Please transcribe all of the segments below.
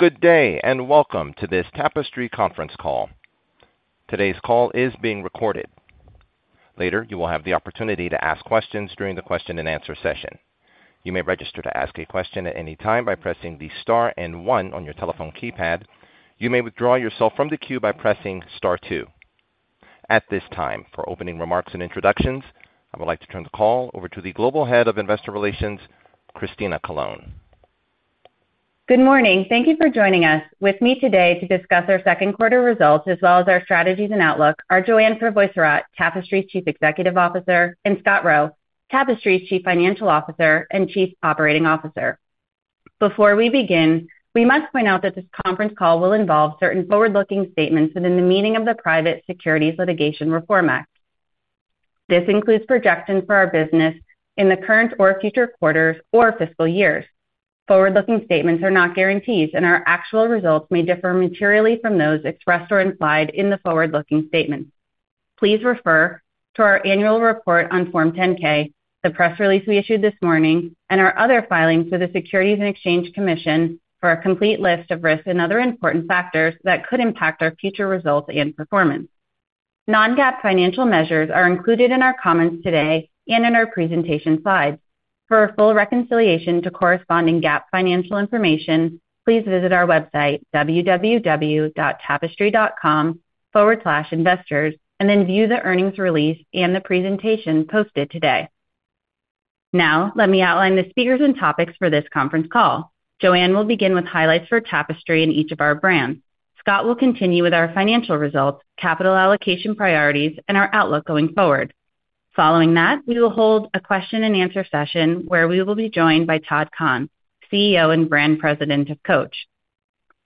Good day, and welcome to this Tapestry conference call. Today's call is being recorded. Later, you will have the opportunity to ask questions during the question-and-answer session. You may register to ask a question at any time by pressing the star and one on your telephone keypad. You may withdraw yourself from the queue by pressing star two. At this time, for opening remarks and introductions, I would like to turn the call over to the Global Head of Investor Relations, Christina Colone. Good morning. Thank you for joining us. With me today to discuss our second quarter results, as well as our strategies and outlook, are Joanne Crevoiserat, Tapestry's Chief Executive Officer, and Scott Roe, Tapestry's Chief Financial Officer and Chief Operating Officer. Before we begin, we must point out that this conference call will involve certain forward-looking statements within the meaning of the Private Securities Litigation Reform Act. This includes projections for our business in the current or future quarters or fiscal years. Forward-looking statements are not guarantees, and our actual results may differ materially from those expressed or implied in the forward-looking statement. Please refer to our annual report on Form 10-K, the press release we issued this morning, and our other filings with the Securities and Exchange Commission for a complete list of risks and other important factors that could impact our future results and performance. Non-GAAP financial measures are included in our comments today and in our presentation slides. For a full reconciliation to corresponding GAAP financial information, please visit our website, www.tapestry.com/investors, and then view the earnings release and the presentation posted today. Now, let me outline the speakers and topics for this conference call. Joanne will begin with highlights for Tapestry in each of our brands. Scott will continue with our financial results, capital allocation priorities, and our outlook going forward. Following that, we will hold a question-and-answer session, where we will be joined by Todd Kahn, CEO and Brand President of Coach.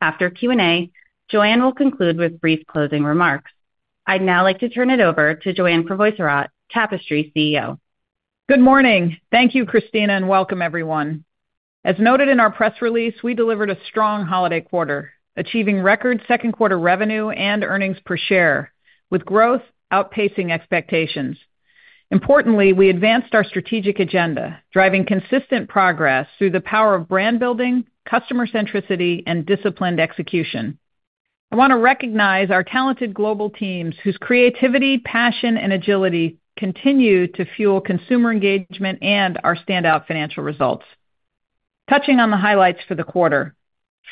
After Q&A, Joanne will conclude with brief closing remarks. I'd now like to turn it over to Joanne Crevoiserat, Tapestry's CEO. Good morning. Thank you, Christina, and welcome, everyone. As noted in our press release, we delivered a strong holiday quarter, achieving record second quarter revenue and earnings per share, with growth outpacing expectations. Importantly, we advanced our strategic agenda, driving consistent progress through the power of brand building, customer centricity, and disciplined execution. I want to recognize our talented global teams, whose creativity, passion, and agility continue to fuel consumer engagement and our standout financial results. Touching on the highlights for the quarter.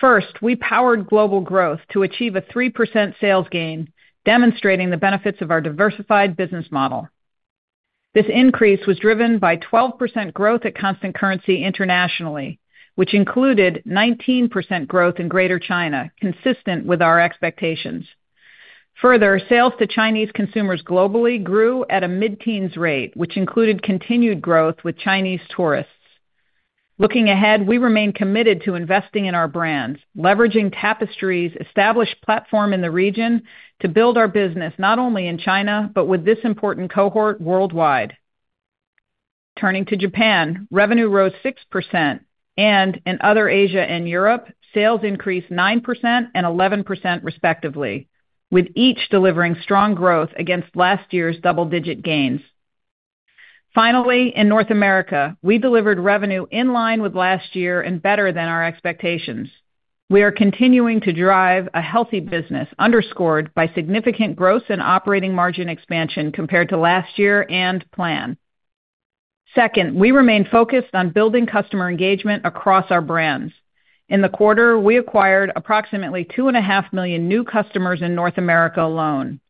First, we powered global growth to achieve a 3% sales gain, demonstrating the benefits of our diversified business model. This increase was driven by 12% growth at constant currency internationally, which included 19% growth in Greater China, consistent with our expectations. Further, sales to Chinese consumers globally grew at a mid-teens rate, which included continued growth with Chinese tourists. Looking ahead, we remain committed to investing in our brands, leveraging Tapestry's established platform in the region to build our business not only in China but with this important cohort worldwide. Turning to Japan, revenue rose 6%, and in other Asia and Europe, sales increased 9% and 11%, respectively, with each delivering strong growth against last year's double-digit gains. Finally, in North America, we delivered revenue in line with last year and better than our expectations. We are continuing to drive a healthy business, underscored by significant gross and operating margin expansion compared to last year and plan. Second, we remain focused on building customer engagement across our brands. In the quarter, we acquired approximately 2.5 million new customers in North America alone,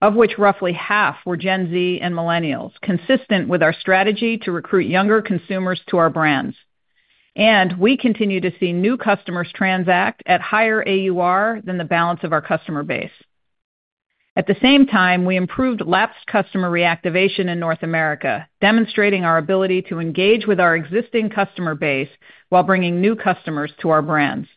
of which roughly half were Gen Z and Millennials, consistent with our strategy to recruit younger consumers to our brands. We continue to see new customers transact at higher AUR than the balance of our customer base. At the same time, we improved lapsed customer reactivation in North America, demonstrating our ability to engage with our existing customer base while bringing new customers to our brands.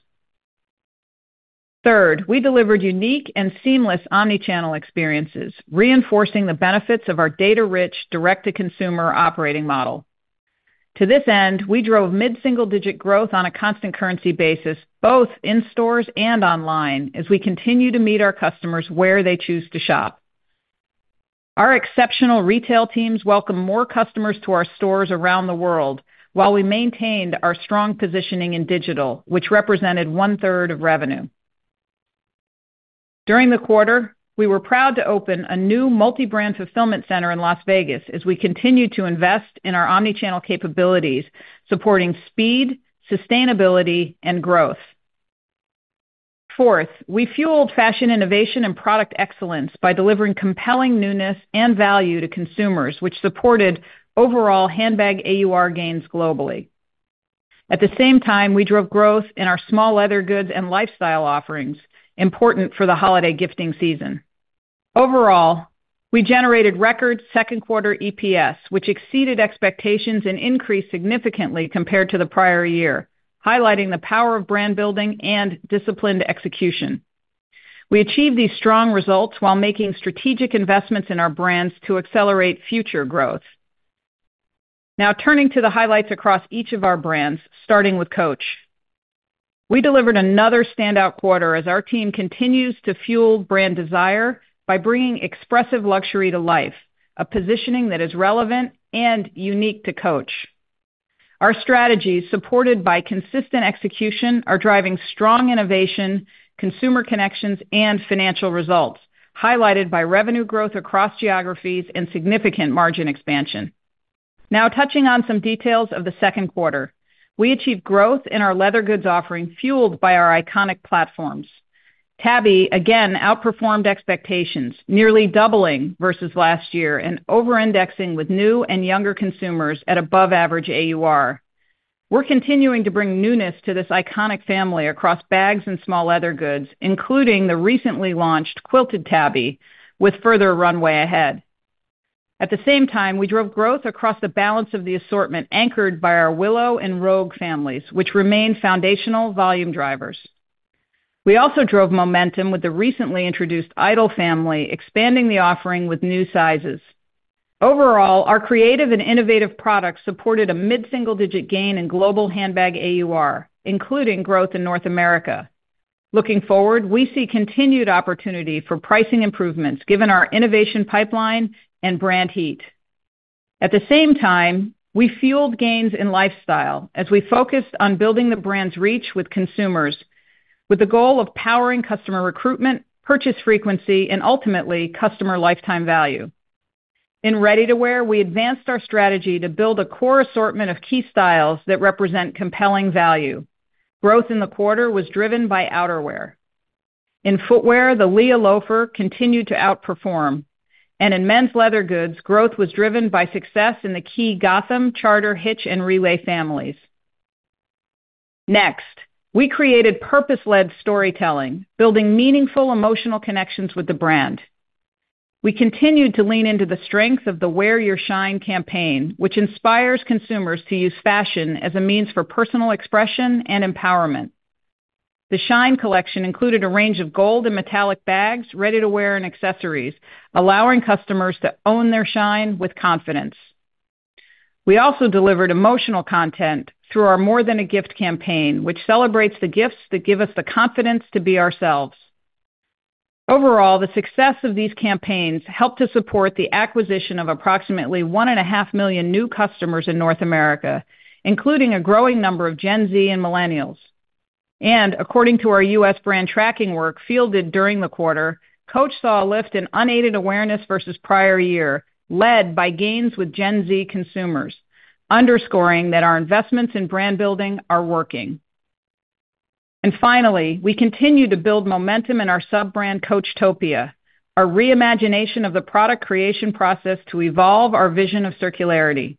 Third, we delivered unique and seamless omni-channel experiences, reinforcing the benefits of our data-rich, direct-to-consumer operating model. To this end, we drove mid-single-digit growth on a constant currency basis, both in stores and online, as we continue to meet our customers where they choose to shop. Our exceptional retail teams welcome more customers to our stores around the world, while we maintained our strong positioning in digital, which represented one-third of revenue. During the quarter, we were proud to open a new multi-brand fulfillment center in Las Vegas as we continued to invest in our omni-channel capabilities, supporting speed, sustainability, and growth. Fourth, we fueled fashion innovation and product excellence by delivering compelling newness and value to consumers, which supported overall handbag AUR gains globally. At the same time, we drove growth in our small leather goods and lifestyle offerings, important for the holiday gifting season. Overall, we generated record second quarter EPS, which exceeded expectations and increased significantly compared to the prior year, highlighting the power of brand building and disciplined execution. We achieved these strong results while making strategic investments in our brands to accelerate future growth. Now, turning to the highlights across each of our brands, starting with Coach. We delivered another standout quarter as our team continues to fuel brand desire by bringing expressive luxury to life, a positioning that is relevant and unique to Coach. Our strategies, supported by consistent execution, are driving strong innovation, consumer connections, and financial results, highlighted by revenue growth across geographies and significant margin expansion. Now touching on some details of the second quarter. We achieved growth in our leather goods offering, fueled by our iconic platforms. Tabby again outperformed expectations, nearly doubling versus last year and over-indexing with new and younger consumers at above average AUR. We're continuing to bring newness to this iconic family across bags and small leather goods, including the recently launched Quilted Tabby, with further runway ahead. At the same time, we drove growth across the balance of the assortment, anchored by our Willow and Rogue families, which remain foundational volume drivers. We also drove momentum with the recently introduced Idol family, expanding the offering with new sizes. Overall, our creative and innovative products supported a mid-single-digit gain in global handbag AUR, including growth in North America. Looking forward, we see continued opportunity for pricing improvements given our innovation pipeline and brand heat. At the same time, we fueled gains in lifestyle as we focused on building the brand's reach with consumers, with the goal of powering customer recruitment, purchase frequency, and ultimately, customer lifetime value. In ready-to-wear, we advanced our strategy to build a core assortment of key styles that represent compelling value. Growth in the quarter was driven by outerwear. In footwear, the Leah loafer continued to outperform, and in men's leather goods, growth was driven by success in the key Gotham, Charter, Hitch, and Relay families. Next, we created purpose-led storytelling, building meaningful emotional connections with the brand. We continued to lean into the strength of the Wear Your Shine campaign, which inspires consumers to use fashion as a means for personal expression and empowerment. The Shine collection included a range of gold and metallic bags, ready-to-wear, and accessories, allowing customers to own their shine with confidence. We also delivered emotional content through our More Than a Gift campaign, which celebrates the gifts that give us the confidence to be ourselves. Overall, the success of these campaigns helped to support the acquisition of approximately 1.5 million new customers in North America, including a growing number of Gen Z and millennials. According to our U.S. brand tracking work fielded during the quarter, Coach saw a lift in unaided awareness versus prior year, led by gains with Gen Z consumers, underscoring that our investments in brand building are working. Finally, we continue to build momentum in our sub-brand, Coachtopia, our reimagination of the product creation process to evolve our vision of circularity.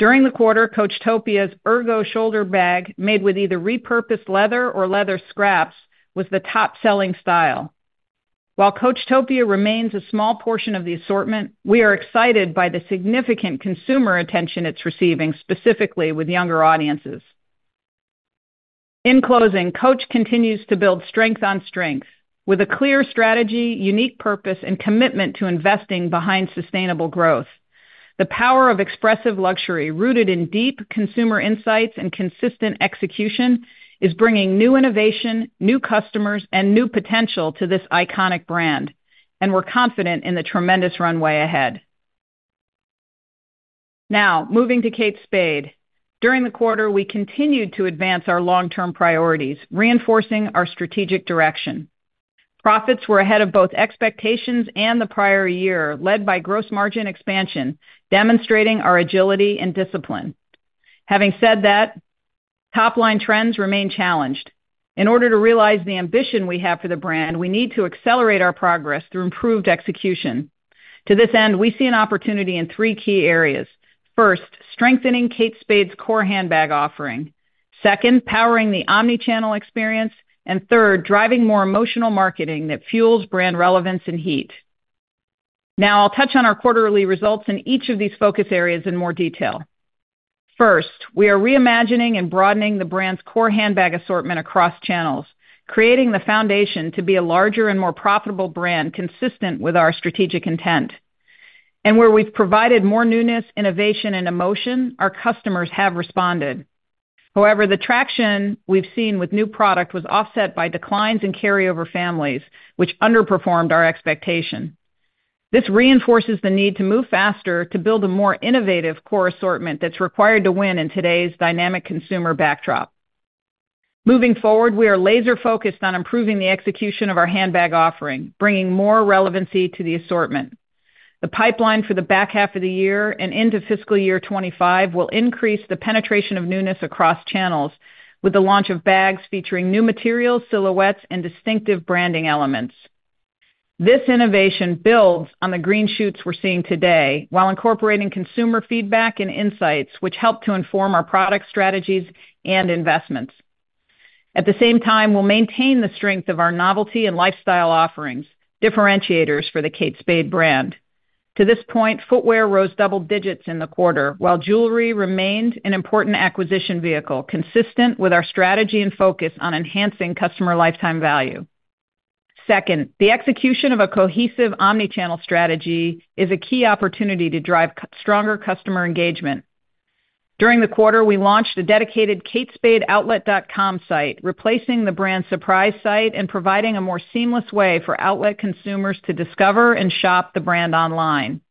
During the quarter, Coachtopia's Ergo shoulder bag, made with either repurposed leather or leather scraps, was the top-selling style. While Coachtopia remains a small portion of the assortment, we are excited by the significant consumer attention it's receiving, specifically with younger audiences. In closing, Coach continues to build strength on strength with a clear strategy, unique purpose, and commitment to investing behind sustainable growth. The power of expressive luxury, rooted in deep consumer insights and consistent execution, is bringing new innovation, new customers, and new potential to this iconic brand, and we're confident in the tremendous runway ahead. Now, moving to Kate Spade. During the quarter, we continued to advance our long-term priorities, reinforcing our strategic direction. Profits were ahead of both expectations and the prior year, led by gross margin expansion, demonstrating our agility and discipline. Having said that, top-line trends remain challenged. In order to realize the ambition we have for the brand, we need to accelerate our progress through improved execution. To this end, we see an opportunity in three key areas. First, strengthening Kate Spade's core handbag offering. Second, powering the omni-channel experience. And third, driving more emotional marketing that fuels brand relevance and heat. Now I'll touch on our quarterly results in each of these focus areas in more detail. First, we are reimagining and broadening the brand's core handbag assortment across channels, creating the foundation to be a larger and more profitable brand, consistent with our strategic intent. And where we've provided more newness, innovation, and emotion, our customers have responded. However, the traction we've seen with new product was offset by declines in carryover families, which underperformed our expectation. This reinforces the need to move faster to build a more innovative core assortment that's required to win in today's dynamic consumer backdrop. Moving forward, we are laser-focused on improving the execution of our handbag offering, bringing more relevancy to the assortment. The pipeline for the back half of the year and into fiscal year 2025 will increase the penetration of newness across channels, with the launch of bags featuring new materials, silhouettes, and distinctive branding elements. This innovation builds on the green shoots we're seeing today, while incorporating consumer feedback and insights, which help to inform our product strategies and investments. At the same time, we'll maintain the strength of our novelty and lifestyle offerings, differentiators for the Kate Spade brand. To this point, footwear rose double digits in the quarter, while jewelry remained an important acquisition vehicle, consistent with our strategy and focus on enhancing customer lifetime value. Second, the execution of a cohesive omni-channel strategy is a key opportunity to drive stronger customer engagement. During the quarter, we launched a dedicated katespadeoutlet.com site, replacing the brand's surprise site and providing a more seamless way for outlet consumers to discover and shop the brand online.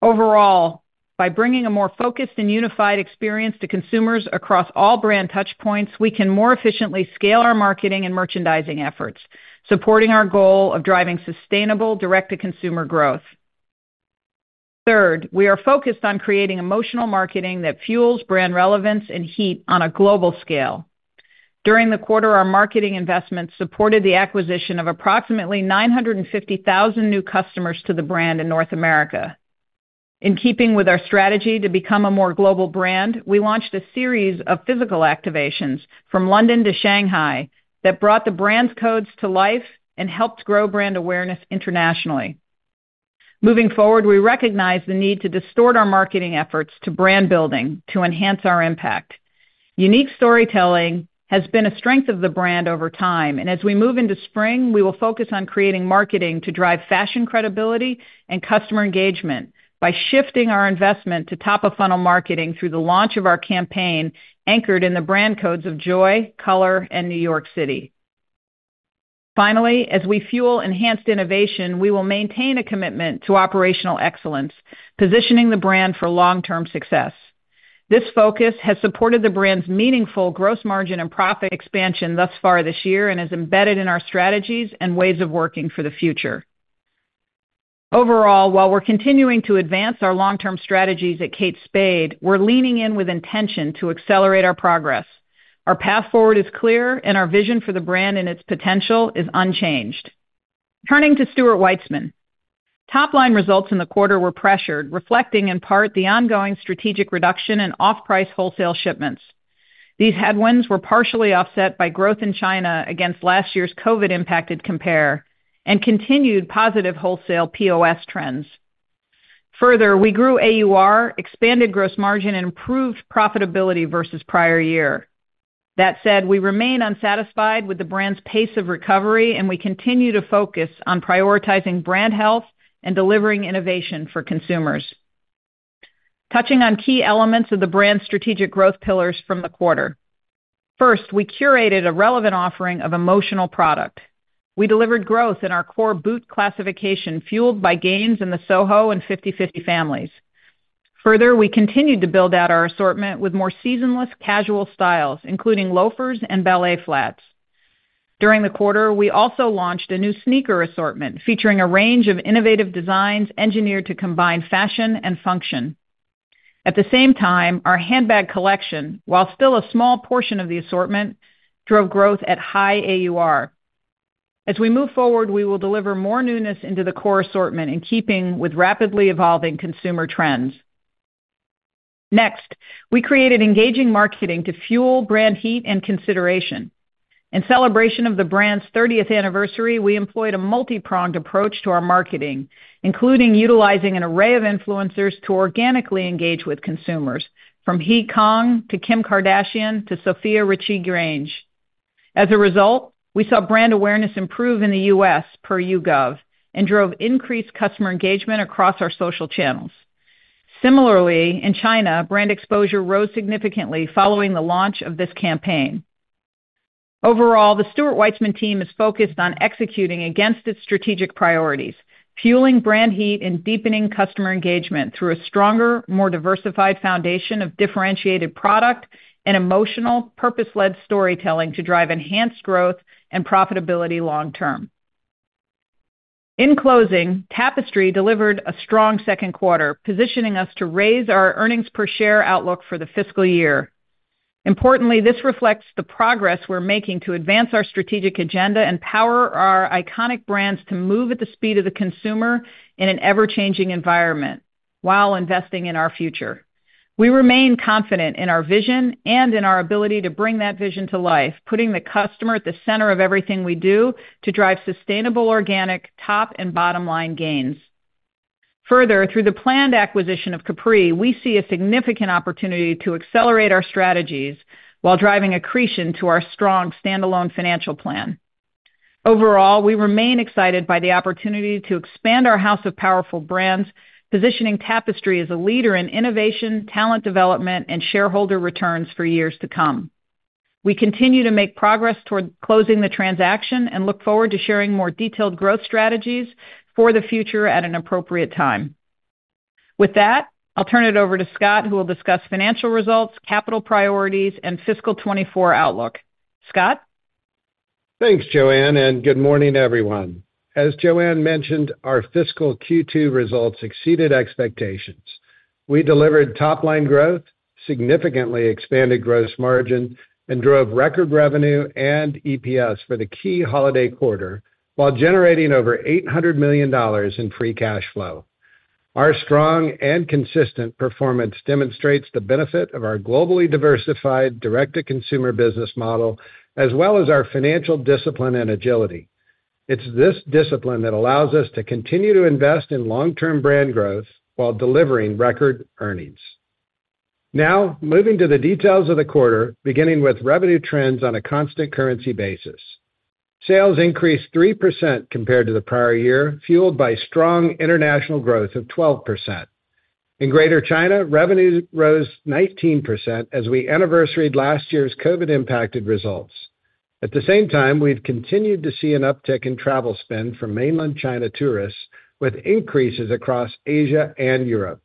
Overall, by bringing a more focused and unified experience to consumers across all brand touchpoints, we can more efficiently scale our marketing and merchandising efforts, supporting our goal of driving sustainable direct-to-consumer growth. Third, we are focused on creating emotional marketing that fuels brand relevance and heat on a global scale. During the quarter, our marketing investments supported the acquisition of approximately 950,000 new customers to the brand in North America. In keeping with our strategy to become a more global brand, we launched a series of physical activations, from London to Shanghai, that brought the brand's codes to life and helped grow brand awareness internationally. Moving forward, we recognize the need to divert our marketing efforts to brand building to enhance our impact. Unique storytelling has been a strength of the brand over time, and as we move into spring, we will focus on creating marketing to drive fashion credibility and customer engagement by shifting our investment to top-of-funnel marketing through the launch of our campaign, anchored in the brand codes of joy, color, and New York City. Finally, as we fuel enhanced innovation, we will maintain a commitment to operational excellence, positioning the brand for long-term success. This focus has supported the brand's meaningful gross margin and profit expansion thus far this year and is embedded in our strategies and ways of working for the future. Overall, while we're continuing to advance our long-term strategies at Kate Spade, we're leaning in with intention to accelerate our progress. Our path forward is clear, and our vision for the brand and its potential is unchanged. Turning to Stuart Weitzman. Top-line results in the quarter were pressured, reflecting in part the ongoing strategic reduction in off-price wholesale shipments. These headwinds were partially offset by growth in China against last year's COVID-impacted compare and continued positive wholesale POS trends. Further, we grew AUR, expanded gross margin, and improved profitability versus prior year. That said, we remain unsatisfied with the brand's pace of recovery, and we continue to focus on prioritizing brand health and delivering innovation for consumers. Touching on key elements of the brand's strategic growth pillars from the quarter. First, we curated a relevant offering of emotional product. We delivered growth in our core boot classification, fueled by gains in the SoHo and 5050 families. Further, we continued to build out our assortment with more seasonless casual styles, including loafers and ballet flats. During the quarter, we also launched a new sneaker assortment, featuring a range of innovative designs engineered to combine fashion and function. At the same time, our handbag collection, while still a small portion of the assortment, drove growth at high AUR. As we move forward, we will deliver more newness into the core assortment, in keeping with rapidly evolving consumer trends. Next, we created engaging marketing to fuel brand heat and consideration. In celebration of the brand's 30th anniversary, we employed a multipronged approach to our marketing, including utilizing an array of influencers to organically engage with consumers, from Heidi Klum to Kim Kardashian to Sofia Richie Grainge. As a result, we saw brand awareness improve in the U.S., per YouGov, and drove increased customer engagement across our social channels. Similarly, in China, brand exposure rose significantly following the launch of this campaign. Overall, the Stuart Weitzman team is focused on executing against its strategic priorities, fueling brand heat and deepening customer engagement through a stronger, more diversified foundation of differentiated product and emotional, purpose-led storytelling to drive enhanced growth and profitability long term. In closing, Tapestry delivered a strong second quarter, positioning us to raise our earnings per share outlook for the fiscal year. Importantly, this reflects the progress we're making to advance our strategic agenda and power our iconic brands to move at the speed of the consumer in an ever-changing environment while investing in our future. We remain confident in our vision and in our ability to bring that vision to life, putting the customer at the center of everything we do to drive sustainable, organic, top and bottom line gains. Further, through the planned acquisition of Capri, we see a significant opportunity to accelerate our strategies while driving accretion to our strong standalone financial plan. Overall, we remain excited by the opportunity to expand our house of powerful brands, positioning Tapestry as a leader in innovation, talent development, and shareholder returns for years to come. We continue to make progress toward closing the transaction and look forward to sharing more detailed growth strategies for the future at an appropriate time. With that, I'll turn it over to Scott, who will discuss financial results, capital priorities, and fiscal 2024 outlook. Scott? Thanks, Joanne, and good morning, everyone. As Joanne mentioned, our fiscal Q2 results exceeded expectations. We delivered top-line growth, significantly expanded gross margin, and drove record revenue and EPS for the key holiday quarter, while generating over $800 million in free cash flow. Our strong and consistent performance demonstrates the benefit of our globally diversified direct-to-consumer business model, as well as our financial discipline and agility. It's this discipline that allows us to continue to invest in long-term brand growth while delivering record earnings. Now, moving to the details of the quarter, beginning with revenue trends on a constant currency basis. Sales increased 3% compared to the prior year, fueled by strong international growth of 12%. In Greater China, revenues rose 19% as we anniversaried last year's COVID-impacted results. At the same time, we've continued to see an uptick in travel spend from mainland China tourists, with increases across Asia and Europe.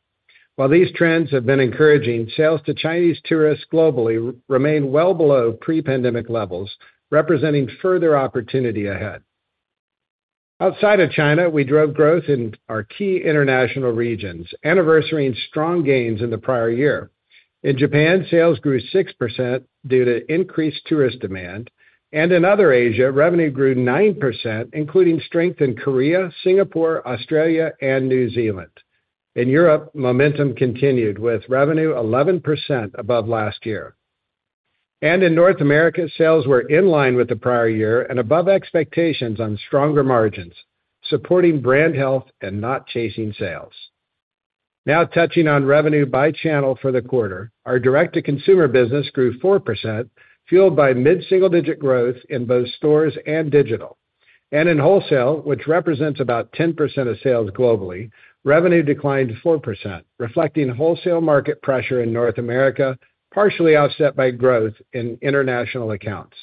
While these trends have been encouraging, sales to Chinese tourists globally remain well below pre-pandemic levels, representing further opportunity ahead. Outside of China, we drove growth in our key international regions, anniversarying strong gains in the prior year. In Japan, sales grew 6% due to increased tourist demand, and in other Asia, revenue grew 9%, including strength in Korea, Singapore, Australia, and New Zealand. In Europe, momentum continued, with revenue 11% above last year. In North America, sales were in line with the prior year and above expectations on stronger margins, supporting brand health and not chasing sales. Now touching on revenue by channel for the quarter, our direct-to-consumer business grew 4%, fueled by mid-single-digit growth in both stores and digital. And in wholesale, which represents about 10% of sales globally, revenue declined 4%, reflecting wholesale market pressure in North America, partially offset by growth in international accounts.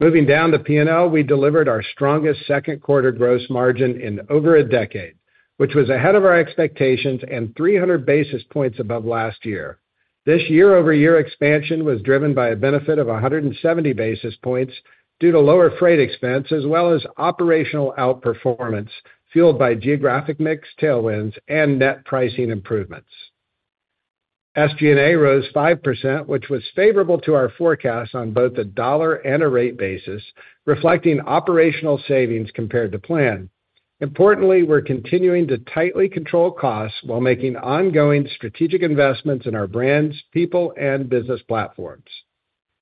Moving down to P&L, we delivered our strongest second quarter gross margin in over a decade, which was ahead of our expectations and 300 basis points above last year. This year-over-year expansion was driven by a benefit of 170 basis points due to lower freight expense, as well as operational outperformance, fueled by geographic mix tailwinds, and net pricing improvements. SG&A rose 5%, which was favorable to our forecast on both a dollar and a rate basis, reflecting operational savings compared to plan. Importantly, we're continuing to tightly control costs while making ongoing strategic investments in our brands, people, and business platforms.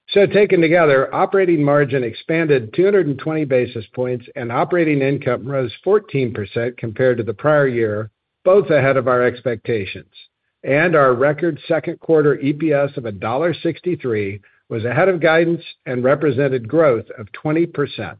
So taken together, operating margin expanded 200 basis points, and operating income rose 14% compared to the prior year, both ahead of our expectations. And our record second quarter EPS of $1.63 was ahead of guidance and represented growth of 20%.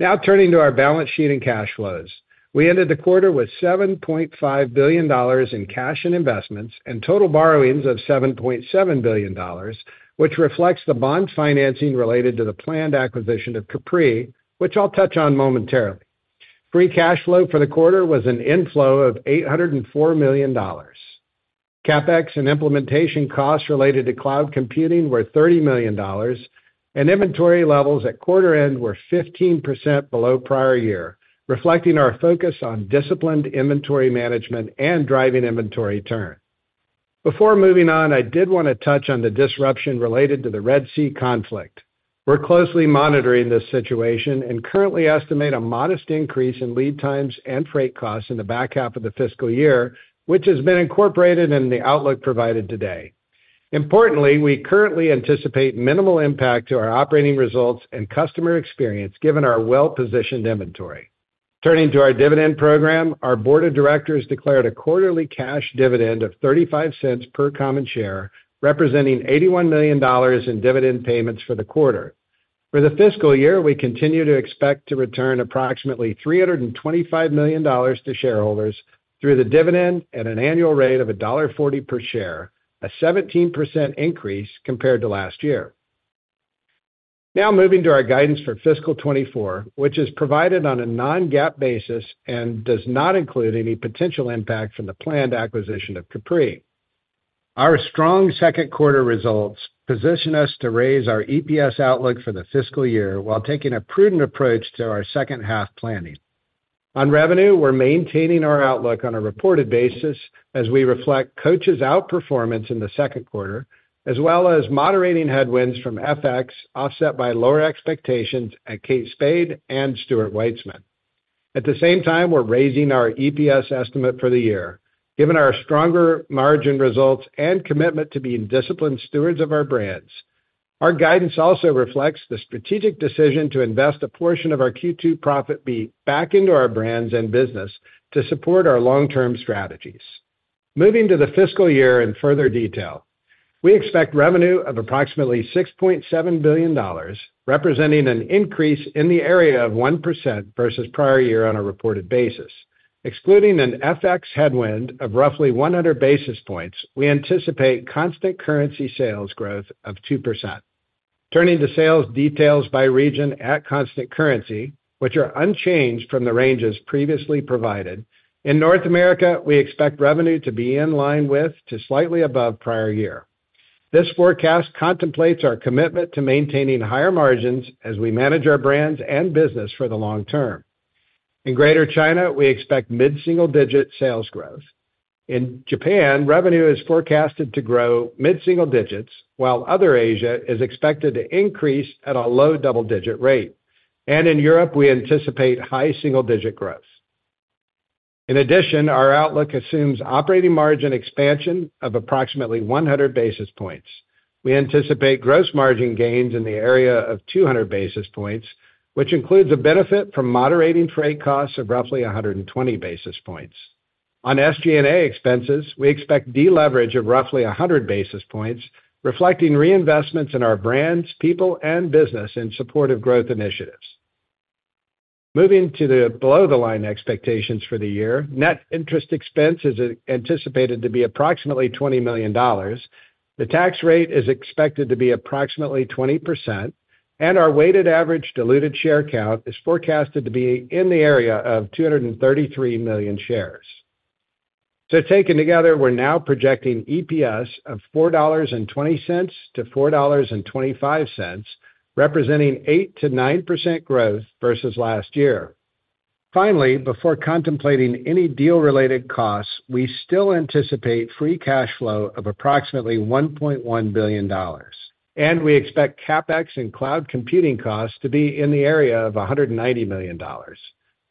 Now turning to our balance sheet and cash flows. We ended the quarter with $7.5 billion in cash and investments, and total borrowings of $7.7 billion, which reflects the bond financing related to the planned acquisition of Capri, which I'll touch on momentarily. Free cash flow for the quarter was an inflow of $804 million. CapEx and implementation costs related to cloud computing were $30 million, and inventory levels at quarter end were 15% below prior year, reflecting our focus on disciplined inventory management and driving inventory turn. Before moving on, I did want to touch on the disruption related to the Red Sea conflict. We're closely monitoring this situation and currently estimate a modest increase in lead times and freight costs in the back half of the fiscal year, which has been incorporated in the outlook provided today. Importantly, we currently anticipate minimal impact to our operating results and customer experience, given our well-positioned inventory. Turning to our dividend program, our board of directors declared a quarterly cash dividend of $0.35 per common share, representing $81 million in dividend payments for the quarter. For the fiscal year, we continue to expect to return approximately $325 million to shareholders through the dividend at an annual rate of $1.40 per share, a 17% increase compared to last year. Now moving to our guidance for fiscal 2024, which is provided on a non-GAAP basis and does not include any potential impact from the planned acquisition of Capri. Our strong second quarter results position us to raise our EPS outlook for the fiscal year while taking a prudent approach to our second-half planning. On revenue, we're maintaining our outlook on a reported basis as we reflect Coach's outperformance in the second quarter, as well as moderating headwinds from FX, offset by lower expectations at Kate Spade and Stuart Weitzman. At the same time, we're raising our EPS estimate for the year, given our stronger margin results and commitment to being disciplined stewards of our brands. Our guidance also reflects the strategic decision to invest a portion of our Q2 profit fee back into our brands and business to support our long-term strategies. Moving to the fiscal year in further detail, we expect revenue of approximately $6.7 billion, representing an increase in the area of 1% versus prior year on a reported basis. Excluding an FX headwind of roughly 100 basis points, we anticipate constant currency sales growth of 2%. Turning to sales details by region at constant currency, which are unchanged from the ranges previously provided, in North America, we expect revenue to be in line with to slightly above prior year. This forecast contemplates our commitment to maintaining higher margins as we manage our brands and business for the long term. In Greater China, we expect mid-single-digit sales growth. In Japan, revenue is forecasted to grow mid-single digits, while other Asia is expected to increase at a low-double-digit rate. In Europe, we anticipate high single-digit growth. In addition, our outlook assumes operating margin expansion of approximately 100 basis points. We anticipate gross margin gains in the area of 200 basis points, which includes a benefit from moderating freight costs of roughly 120 basis points. On SG&A expenses, we expect deleverage of roughly 100 basis points, reflecting reinvestments in our brands, people, and business in support of growth initiatives. Moving to the below-the-line expectations for the year, net interest expense is anticipated to be approximately $20 million. The tax rate is expected to be approximately 20%, and our weighted average diluted share count is forecasted to be in the area of 233 million shares. So taken together, we're now projecting EPS of $4.20-$4.25, representing 8%-9% growth versus last year. Finally, before contemplating any deal-related costs, we still anticipate free cash flow of approximately $1.1 billion, and we expect CapEx and cloud computing costs to be in the area of $190 million.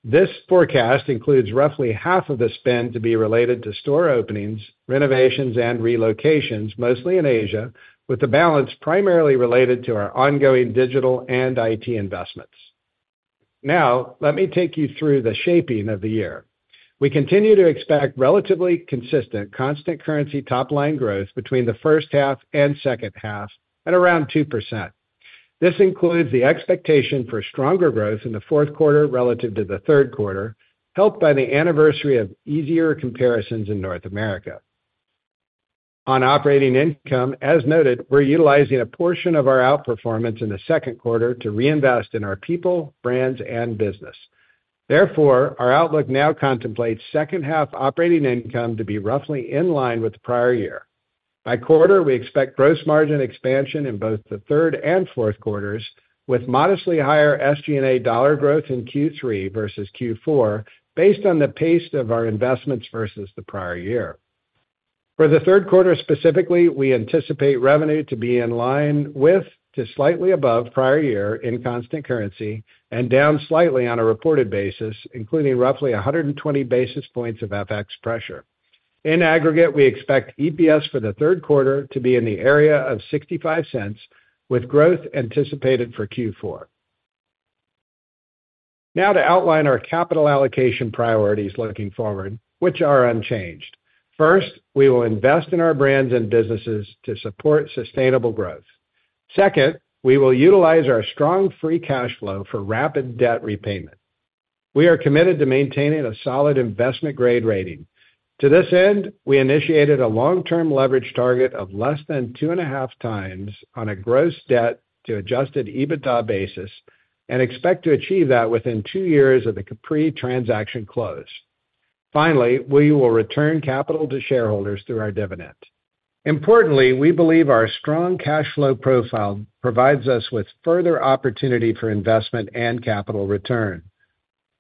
This forecast includes roughly half of the spend to be related to store openings, renovations, and relocations, mostly in Asia, with the balance primarily related to our ongoing digital and IT investments. Now, let me take you through the shaping of the year. We continue to expect relatively consistent constant currency top-line growth between the first half and second half at around 2%. This includes the expectation for stronger growth in the fourth quarter relative to the third quarter, helped by the anniversary of easier comparisons in North America. On operating income, as noted, we're utilizing a portion of our outperformance in the second quarter to reinvest in our people, brands, and business. Therefore, our outlook now contemplates second-half operating income to be roughly in line with the prior year. By quarter, we expect gross margin expansion in both the third and fourth quarters, with modestly higher SG&A dollar growth in Q3 versus Q4, based on the pace of our investments versus the prior year. For the third quarter, specifically, we anticipate revenue to be in line with to slightly above prior year in constant currency and down slightly on a reported basis, including roughly 120 basis points of FX pressure. In aggregate, we expect EPS for the third quarter to be in the area of $0.65, with growth anticipated for Q4. Now to outline our capital allocation priorities looking forward, which are unchanged. First, we will invest in our brands and businesses to support sustainable growth. Second, we will utilize our strong free cash flow for rapid debt repayment. We are committed to maintaining a solid investment-grade rating. To this end, we initiated a long-term leverage target of less than 2.5x on a gross debt to adjusted EBITDA basis and expect to achieve that within two years of the Capri transaction close. Finally, we will return capital to shareholders through our dividend. Importantly, we believe our strong cash flow profile provides us with further opportunity for investment and capital return.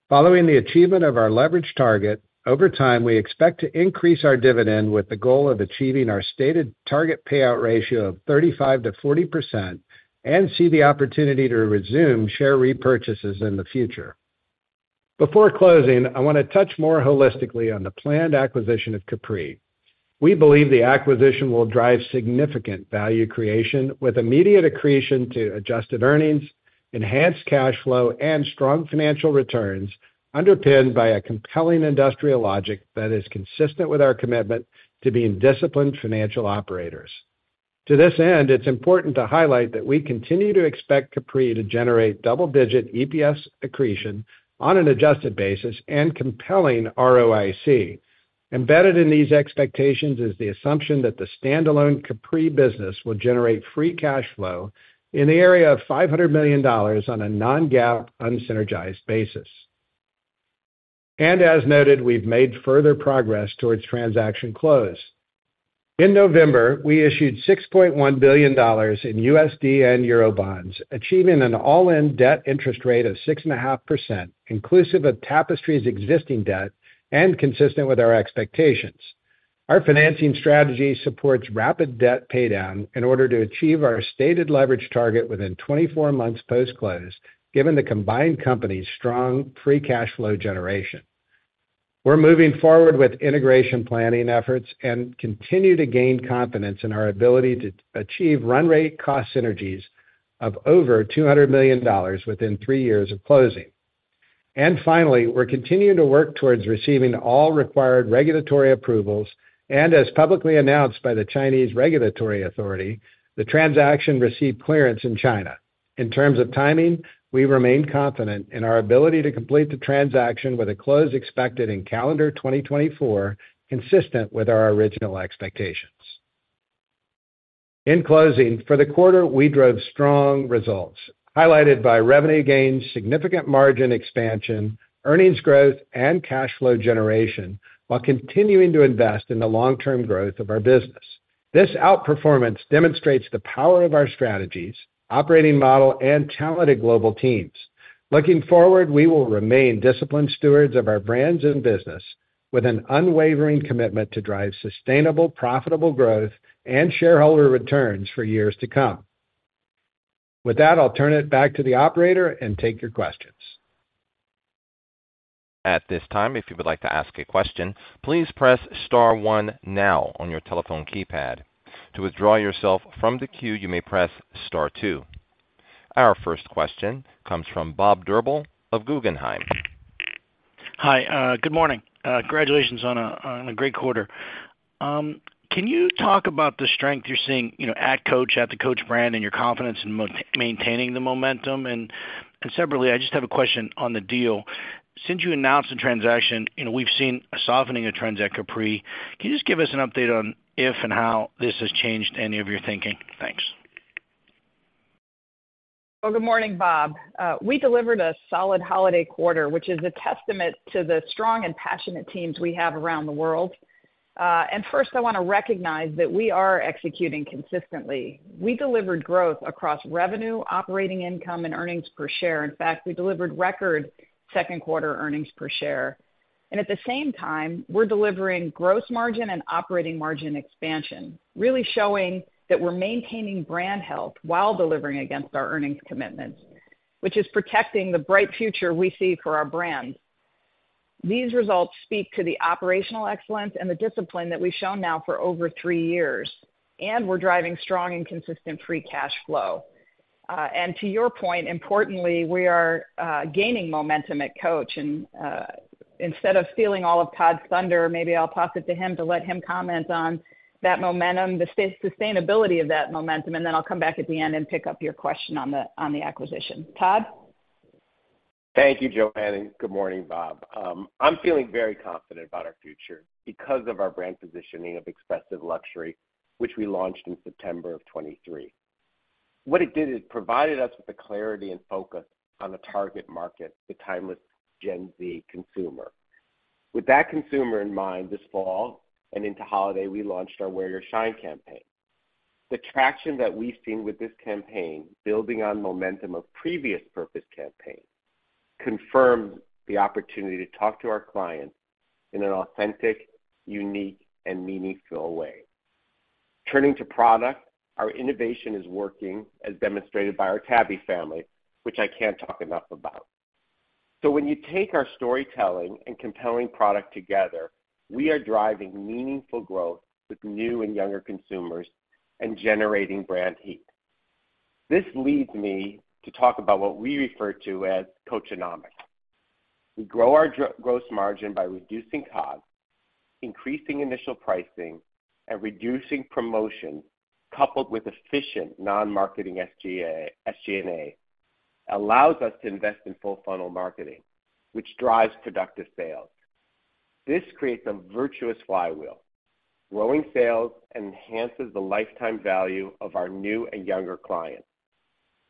Following the achievement of our leverage target, over time, we expect to increase our dividend with the goal of achieving our stated target payout ratio of 35%-40% and see the opportunity to resume share repurchases in the future. Before closing, I want to touch more holistically on the planned acquisition of Capri. We believe the acquisition will drive significant value creation with immediate accretion to adjusted earnings, enhanced cash flow, and strong financial returns, underpinned by a compelling industrial logic that is consistent with our commitment to being disciplined financial operators. To this end, it's important to highlight that we continue to expect Capri to generate double-digit EPS accretion on an adjusted basis and compelling ROIC. Embedded in these expectations is the assumption that the standalone Capri business will generate free cash flow in the area of $500 million on a non-GAAP, unsynergized basis. As noted, we've made further progress towards transaction close. In November, we issued $6.1 billion in USD and EUR bonds, achieving an all-in debt interest rate of 6.5%, inclusive of Tapestry's existing debt and consistent with our expectations. Our financing strategy supports rapid debt paydown in order to achieve our stated leverage target within 24 months post-close, given the combined company's strong free cash flow generation. We're moving forward with integration planning efforts and continue to gain confidence in our ability to achieve run rate cost synergies of over $200 million within three years of closing. Finally, we're continuing to work towards receiving all required regulatory approvals, and as publicly announced by the Chinese regulatory authority, the transaction received clearance in China. In terms of timing, we remain confident in our ability to complete the transaction, with a close expected in calendar 2024, consistent with our original expectations. In closing, for the quarter, we drove strong results, highlighted by revenue gains, significant margin expansion, earnings growth, and cash flow generation, while continuing to invest in the long-term growth of our business. This outperformance demonstrates the power of our strategies, operating model, and talented global teams. Looking forward, we will remain disciplined stewards of our brands and business with an unwavering commitment to drive sustainable, profitable growth and shareholder returns for years to come. With that, I'll turn it back to the operator and take your questions. At this time, if you would like to ask a question, please press star one now on your telephone keypad. To withdraw yourself from the queue, you may press star two. Our first question comes from Bob Drbul of Guggenheim. Hi, good morning. Congratulations on a great quarter. Can you talk about the strength you're seeing, you know, at Coach, at the Coach brand, and your confidence in maintaining the momentum? And separately, I just have a question on the deal. Since you announced the transaction, you know, we've seen a softening of trends at Capri. Can you just give us an update on if and how this has changed any of your thinking? Thanks. Well, good morning, Bob. We delivered a solid holiday quarter, which is a testament to the strong and passionate teams we have around the world. And first, I want to recognize that we are executing consistently. We delivered growth across revenue, operating income, and earnings per share. In fact, we delivered record second quarter earnings per share. And at the same time, we're delivering gross margin and operating margin expansion, really showing that we're maintaining brand health while delivering against our earnings commitments, which is protecting the bright future we see for our brands. These results speak to the operational excellence and the discipline that we've shown now for over three years, and we're driving strong and consistent free cash flow. And to your point, importantly, we are gaining momentum at Coach. And, instead of stealing all of Todd's thunder, maybe I'll pass it to him to let him comment on that momentum, the sustainability of that momentum, and then I'll come back at the end and pick up your question on the acquisition. Todd? Thank you, Joanne, and good morning, Bob. I'm feeling very confident about our future because of our brand positioning of expressive luxury, which we launched in September of 2023. What it did, it provided us with the clarity and focus on the target market, the timeless Gen Z consumer. With that consumer in mind, this fall and into holiday, we launched our Wear Your Shine campaign. The traction that we've seen with this campaign, building on momentum of previous purpose campaign, confirms the opportunity to talk to our clients in an authentic, unique and meaningful way. Turning to product, our innovation is working, as demonstrated by our Tabby family, which I can't talk enough about. So when you take our storytelling and compelling product together, we are driving meaningful growth with new and younger consumers and generating brand heat. This leads me to talk about what we refer to as Coachonomics. We grow our gross margin by reducing costs, increasing initial pricing, and reducing promotion, coupled with efficient non-marketing SG&A, allows us to invest in full funnel marketing, which drives productive sales. This creates a virtuous flywheel. Growing sales enhances the lifetime value of our new and younger clients.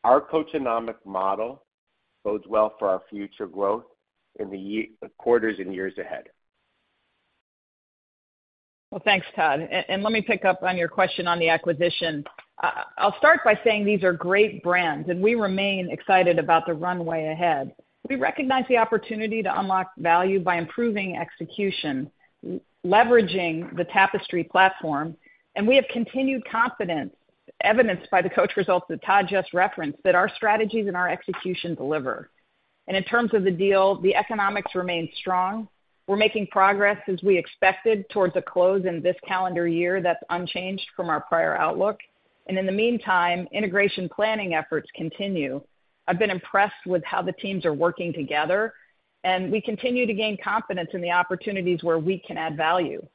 Our Coachonomic model bodes well for our future growth in the quarters and years ahead. Well, thanks, Todd. And let me pick up on your question on the acquisition. I'll start by saying these are great brands, and we remain excited about the runway ahead. We recognize the opportunity to unlock value by improving execution, leveraging the Tapestry platform, and we have continued confidence, evidenced by the Coach results that Todd just referenced, that our strategies and our execution deliver. And in terms of the deal, the economics remain strong. We're making progress as we expected, towards a close in this calendar year. That's unchanged from our prior outlook. And in the meantime, integration planning efforts continue. I've been impressed with how the teams are working together, and we continue to gain confidence in the opportunities where we can add value.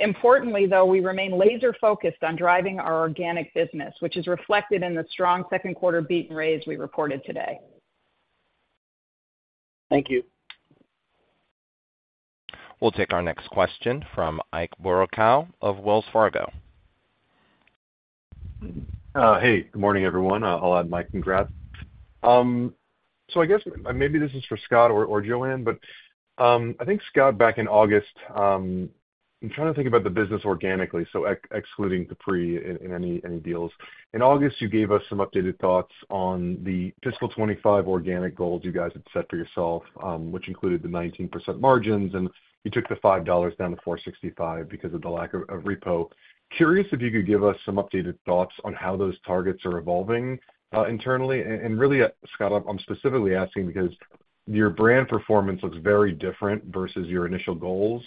Importantly, though, we remain laser focused on driving our organic business, which is reflected in the strong second quarter beat and raise we reported today. Thank you. We'll take our next question from Ike Boruchow of Wells Fargo. Hey, good morning, everyone. I'll add my congrats. So I guess maybe this is for Scott or Joanne, but I think, Scott, back in August, I'm trying to think about the business organically, so excluding Capri in any deals. In August, you gave us some updated thoughts on the fiscal 2025 organic goals you guys had set for yourself, which included the 19% margins, and you took the $5 down to $4.65 because of the lack of repo. Curious if you could give us some updated thoughts on how those targets are evolving internally. And really, Scott, I'm specifically asking because your brand performance looks very different versus your initial goals,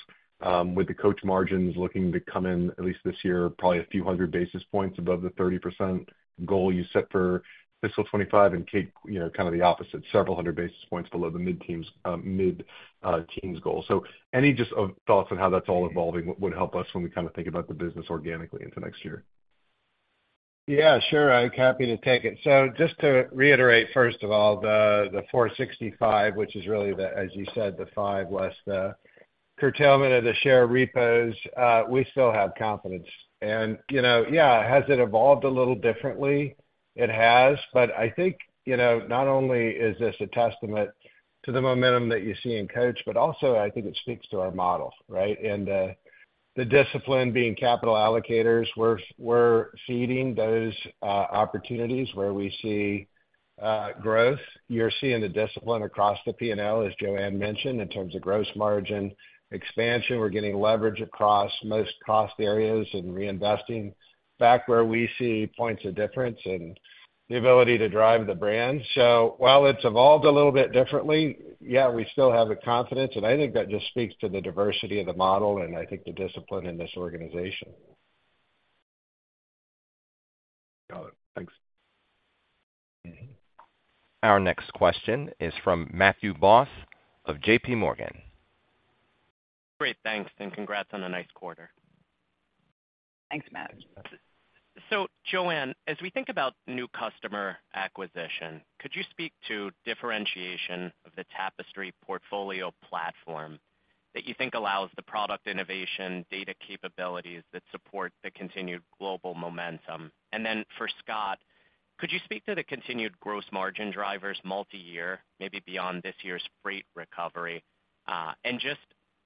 with the Coach margins looking to come in, at least this year, probably a few hundred basis points above the 30% goal you set for fiscal 2025 and Kate, you know, kind of the opposite, several hundred basis points below the mid-teens goal. So any just thoughts on how that's all evolving would help us when we kind of think about the business organically into next year. Yeah, sure. I'm happy to take it. So just to reiterate, first of all, the $4.65, which is really the, as you said, the $5 less the curtailment of the share repos, we still have confidence. And, you know, yeah, has it evolved a little differently? It has. But I think, you know, not only is this a testament to the momentum that you see in Coach, but also I think it speaks to our model, right? And the discipline being capital allocators, we're seeding those opportunities where we see growth. You're seeing the discipline across the P&L, as Joanne mentioned, in terms of gross margin expansion. We're getting leverage across most cost areas and reinvesting back where we see points of difference and the ability to drive the brand. While it's evolved a little bit differently, yeah, we still have the confidence, and I think that just speaks to the diversity of the model and I think the discipline in this organization. Our next question is from Matthew Boss of JPMorgan. Great, thanks, and congrats on a nice quarter. Thanks, Matt. So Joanne, as we think about new customer acquisition, could you speak to differentiation of the Tapestry portfolio platform that you think allows the product innovation, data capabilities that support the continued global momentum? And then for Scott, could you speak to the continued gross margin drivers, multi-year, maybe beyond this year's freight recovery? And just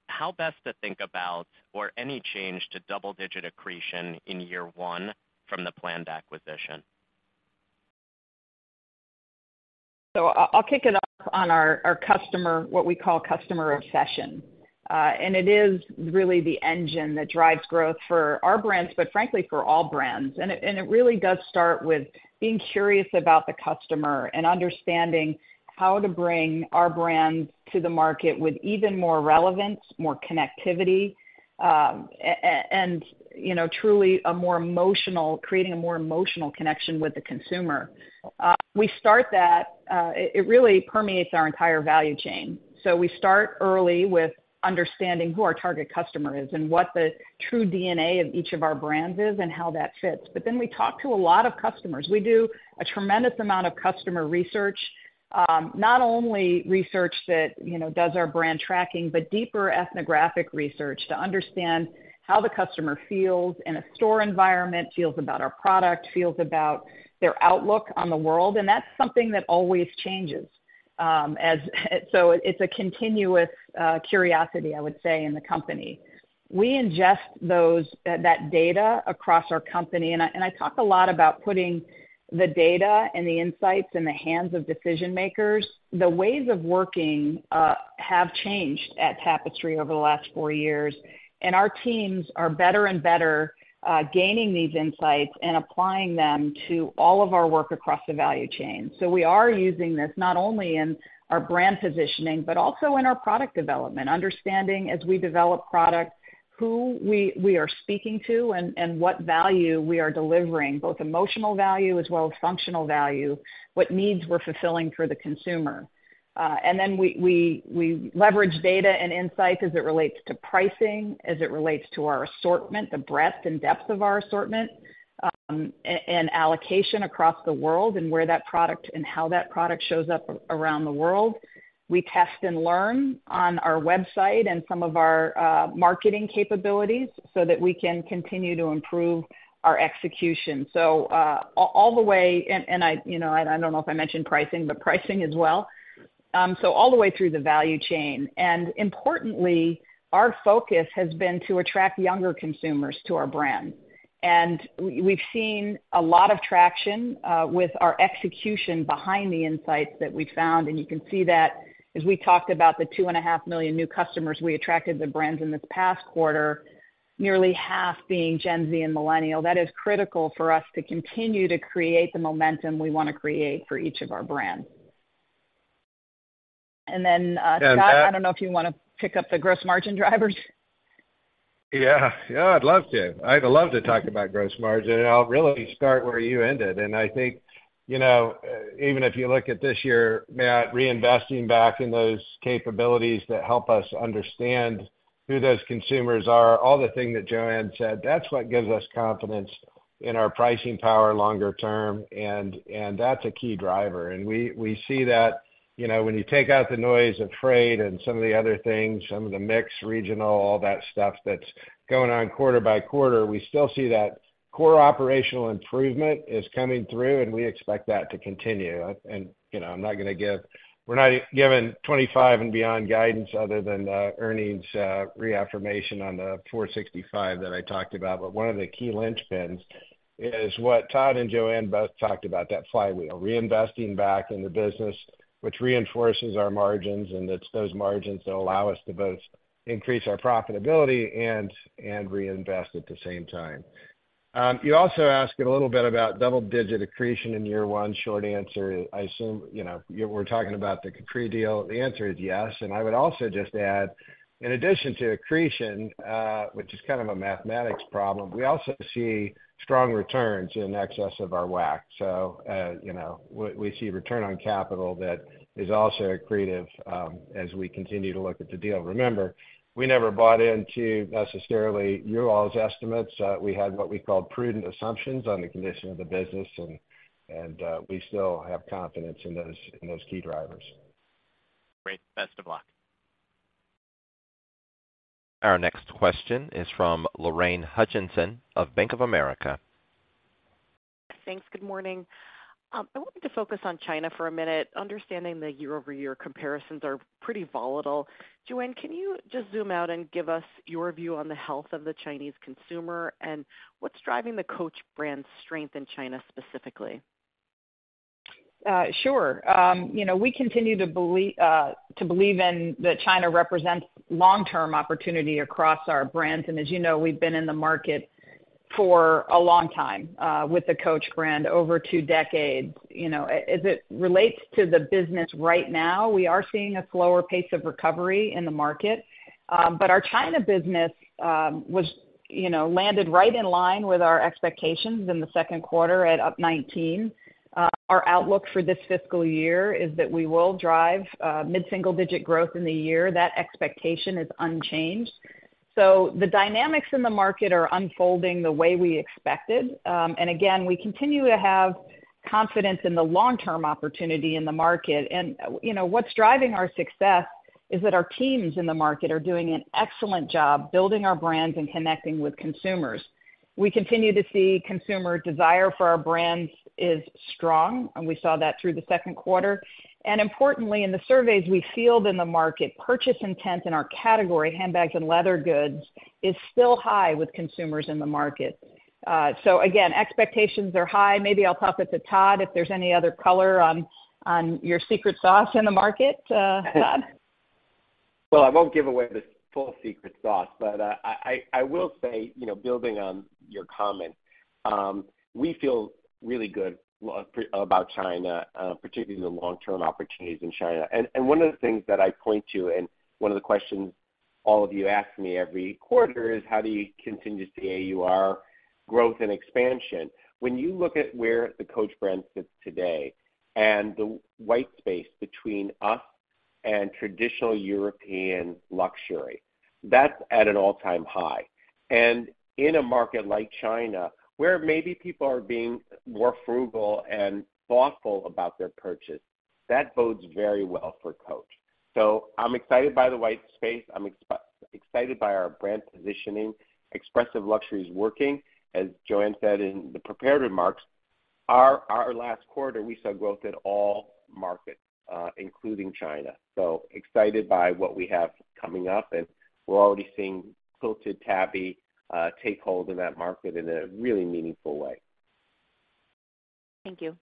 how best to think about or any change to double-digit accretion in year one from the planned acquisition? So I'll kick it off on our customer, what we call customer obsession. And it is really the engine that drives growth for our brands, but frankly, for all brands. And it really does start with being curious about the customer and understanding how to bring our brands to the market with even more relevance, more connectivity, and, you know, truly creating a more emotional connection with the consumer. We start that. It really permeates our entire value chain. So we start early with understanding who our target customer is and what the true DNA of each of our brands is and how that fits. But then we talk to a lot of customers. We do a tremendous amount of customer research, not only research that, you know, does our brand tracking, but deeper ethnographic research to understand how the customer feels in a store environment, feels about our product, feels about their outlook on the world, and that's something that always changes. As so it's a continuous curiosity, I would say, in the company. We ingest those that data across our company, and I, and I talk a lot about putting the data and the insights in the hands of decision makers. The ways of working have changed at Tapestry over the last four years, and our teams are better and better gaining these insights and applying them to all of our work across the value chain. So we are using this not only in our brand positioning, but also in our product development, understanding as we develop product, who we are speaking to and what value we are delivering, both emotional value as well as functional value, what needs we're fulfilling for the consumer. And then we leverage data and insights as it relates to pricing, as it relates to our assortment, the breadth and depth of our assortment, and allocation across the world, and where that product and how that product shows up around the world. We test and learn on our website and some of our marketing capabilities so that we can continue to improve our execution. So all the way, and I, you know, and I don't know if I mentioned pricing, but pricing as well. So all the way through the value chain. Importantly, our focus has been to attract younger consumers to our brand. We’ve seen a lot of traction with our execution behind the insights that we found, and you can see that as we talked about the 2.5 million new customers we attracted the brands in this past quarter, nearly half being Gen Z and Millennials. That is critical for us to continue to create the momentum we want to create for each of our brands. Then, Scott, I don’t know if you want to pick up the gross margin drivers? Yeah. Yeah, I'd love to. I'd love to talk about gross margin, and I'll really start where you ended. And I think, you know, even if you look at this year, Matt, reinvesting back in those capabilities that help us understand who those consumers are, all the things that Joanne said, that's what gives us confidence in our pricing power longer term, and, and that's a key driver. And we, we see that, you know, when you take out the noise of freight and some of the other things, some of the mix, regional, all that stuff that's going on quarter by quarter, we still see that core operational improvement is coming through, and we expect that to continue. And, you know, I'm not going to give. We're not giving 25 and beyond guidance other than the earnings reaffirmation on the $4.65 that I talked about. But one of the key linchpins is what Todd and Joanne both talked about, that flywheel, reinvesting back in the business, which reinforces our margins, and it's those margins that allow us to both increase our profitability and, and reinvest at the same time. You also asked a little bit about double-digit accretion in year one. Short answer, I assume, you know, you were talking about the Capri deal. The answer is yes. And I would also just add, in addition to accretion, which is kind of a mathematics problem, we also see strong returns in excess of our WACC. So, you know, we, we see return on capital that is also accretive, as we continue to look at the deal. Remember, we never bought into necessarily you all's estimates. We had what we called prudent assumptions on the condition of the business, and we still have confidence in those key drivers. Great. Best of luck. Our next question is from Lorraine Hutchinson of Bank of America. Thanks. Good morning. I wanted to focus on China for a minute, understanding the year-over-year comparisons are pretty volatile. Joanne, can you just zoom out and give us your view on the health of the Chinese consumer, and what's driving the Coach brand strength in China, specifically? Sure. You know, we continue to believe in that China represents long-term opportunity across our brands. As you know, we've been in the market for a long time with the Coach brand, over two decades. You know, as it relates to the business right now, we are seeing a slower pace of recovery in the market. But our China business was, you know, landed right in line with our expectations in the second quarter at up 19%. Our outlook for this fiscal year is that we will drive mid-single-digit growth in the year. That expectation is unchanged. So the dynamics in the market are unfolding the way we expected. And again, we continue to have confidence in the long-term opportunity in the market. You know, what's driving our success is that our teams in the market are doing an excellent job building our brands and connecting with consumers. We continue to see consumer desire for our brands is strong, and we saw that through the second quarter. Importantly, in the surveys we field in the market, purchase intent in our category, handbags and leather goods, is still high with consumers in the market. So again, expectations are high. Maybe I'll toss it to Todd, if there's any other color on your secret sauce in the market, Todd? Well, I won't give away the full secret sauce, but I will say, you know, building on your comment, we feel really good about China, particularly the long-term opportunities in China. And one of the things that I point to, and one of the questions all of you ask me every quarter, is how do you continue to see AUR growth and expansion? When you look at where the Coach brand sits today and the white space between us and traditional European luxury, that's at an all-time high. And in a market like China, where maybe people are being more frugal and thoughtful about their purchase, that bodes very well for Coach. So I'm excited by the white space. I'm excited by our brand positioning. Expressive luxury is working. As Joanne said in the prepared remarks, our last quarter, we saw growth at all markets, including China. So excited by what we have coming up, and we're already seeing Quilted Tabby take hold in that market in a really meaningful way. Thank you.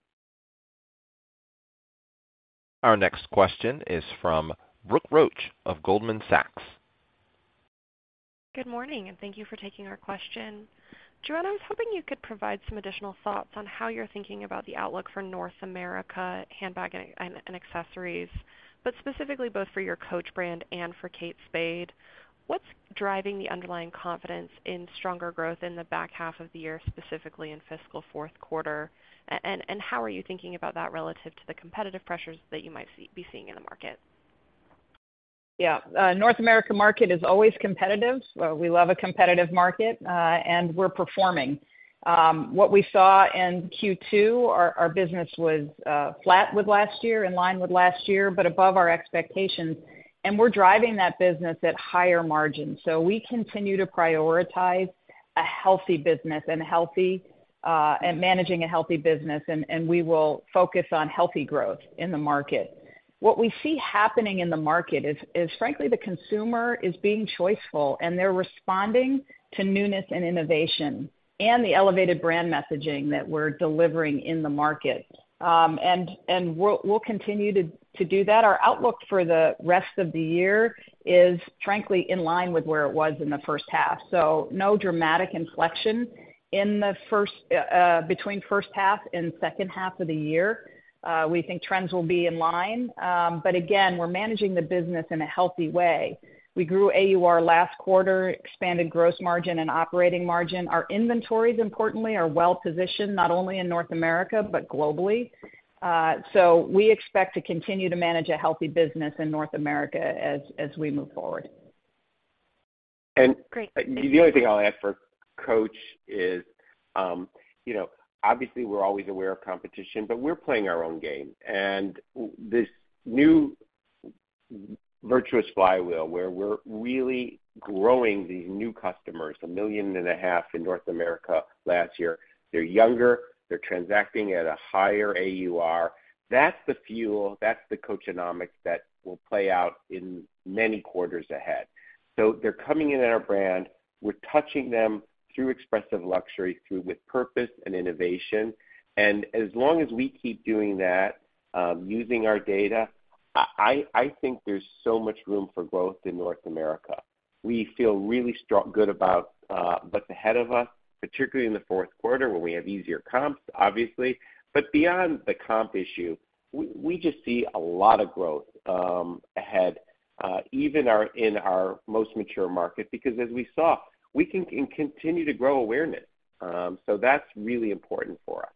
Our next question is from Brooke Roach of Goldman Sachs. Good morning, and thank you for taking our question. Joanne, I was hoping you could provide some additional thoughts on how you're thinking about the outlook for North America handbag and accessories, but specifically both for your Coach brand and for Kate Spade. What's driving the underlying confidence in stronger growth in the back half of the year, specifically in fiscal fourth quarter? And how are you thinking about that relative to the competitive pressures that you might be seeing in the market? Yeah. North America market is always competitive. We love a competitive market, and we're performing. What we saw in Q2, our business was flat with last year, in line with last year, but above our expectations, and we're driving that business at higher margins. So we continue to prioritize a healthy business and a healthy and managing a healthy business, and we will focus on healthy growth in the market. What we see happening in the market is frankly, the consumer is being choiceful, and they're responding to newness and innovation and the elevated brand messaging that we're delivering in the market. And we'll continue to do that. Our outlook for the rest of the year is, frankly, in line with where it was in the first half. No dramatic inflection in the first between first half and second half of the year. We think trends will be in line. But again, we're managing the business in a healthy way. We grew AUR last quarter, expanded gross margin and operating margin. Our inventories, importantly, are well positioned, not only in North America, but globally. So we expect to continue to manage a healthy business in North America as we move forward. Great. And the only thing I'll add for Coach is, you know, obviously, we're always aware of competition, but we're playing our own game. And this new virtuous flywheel, where we're really growing these new customers, 1.5 million in North America last year. They're younger, they're transacting at a higher AUR. That's the fuel, that's the Coachonomics that will play out in many quarters ahead. So they're coming in on our brand. We're touching them through expressive luxury, through with purpose and innovation. And as long as we keep doing that, using our data, I think there's so much room for growth in North America. We feel really strong, good about what's ahead of us, particularly in the fourth quarter, where we have easier comps, obviously. But beyond the comp issue, we just see a lot of growth ahead, even in our most mature market. Because as we saw, we can continue to grow awareness. So that's really important for us.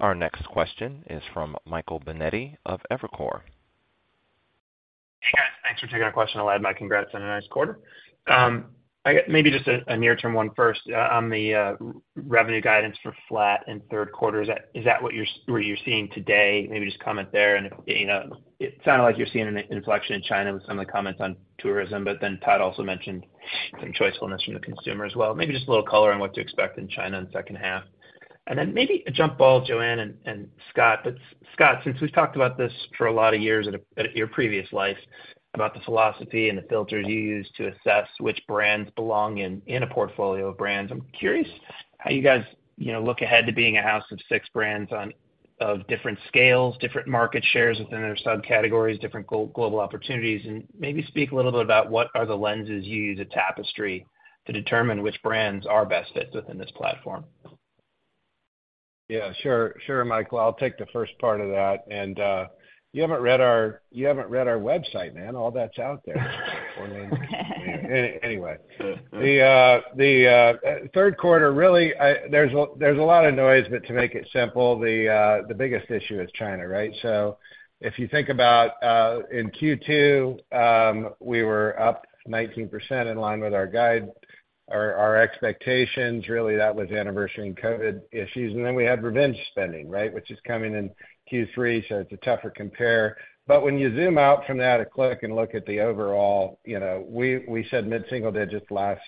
Our next question is from Michael Binetti of Evercore. Hey, guys, thanks for taking our question. I'll add my congrats on a nice quarter. I got maybe just a near-term one first. On the revenue guidance for flat in third quarter, is that where you're seeing today? Maybe just comment there, and you know, it sounded like you're seeing an inflection in China with some of the comments on tourism, but then Todd also mentioned some choicefulness from the consumer as well. Maybe just a little color on what to expect in China in the second half. And then maybe a jump ball, Joanne and Scott. But Scott, since we've talked about this for a lot of years at your previous life, about the philosophy and the filters you use to assess which brands belong in a portfolio of brands, I'm curious how you guys, you know, look ahead to being a house of six brands of different scales, different market shares within their subcategories, different global opportunities, and maybe speak a little bit about what are the lenses you use at Tapestry to determine which brands are best fits within this platform? Yeah, sure. Sure, Michael, I'll take the first part of that, and you haven't read our, you haven't read our website, man. All that's out there. I mean, anyway, the third quarter, really, there's a lot of noise, but to make it simple, the biggest issue is China, right? So if you think about, in Q2, we were up 19% in line with our guide, our expectations, really, that was anniversary and COVID issues. And then we had revenge spending, right? Which is coming in Q3, so it's a tougher compare. But when you zoom out from that a click and look at the overall, you know, we said mid-single digits last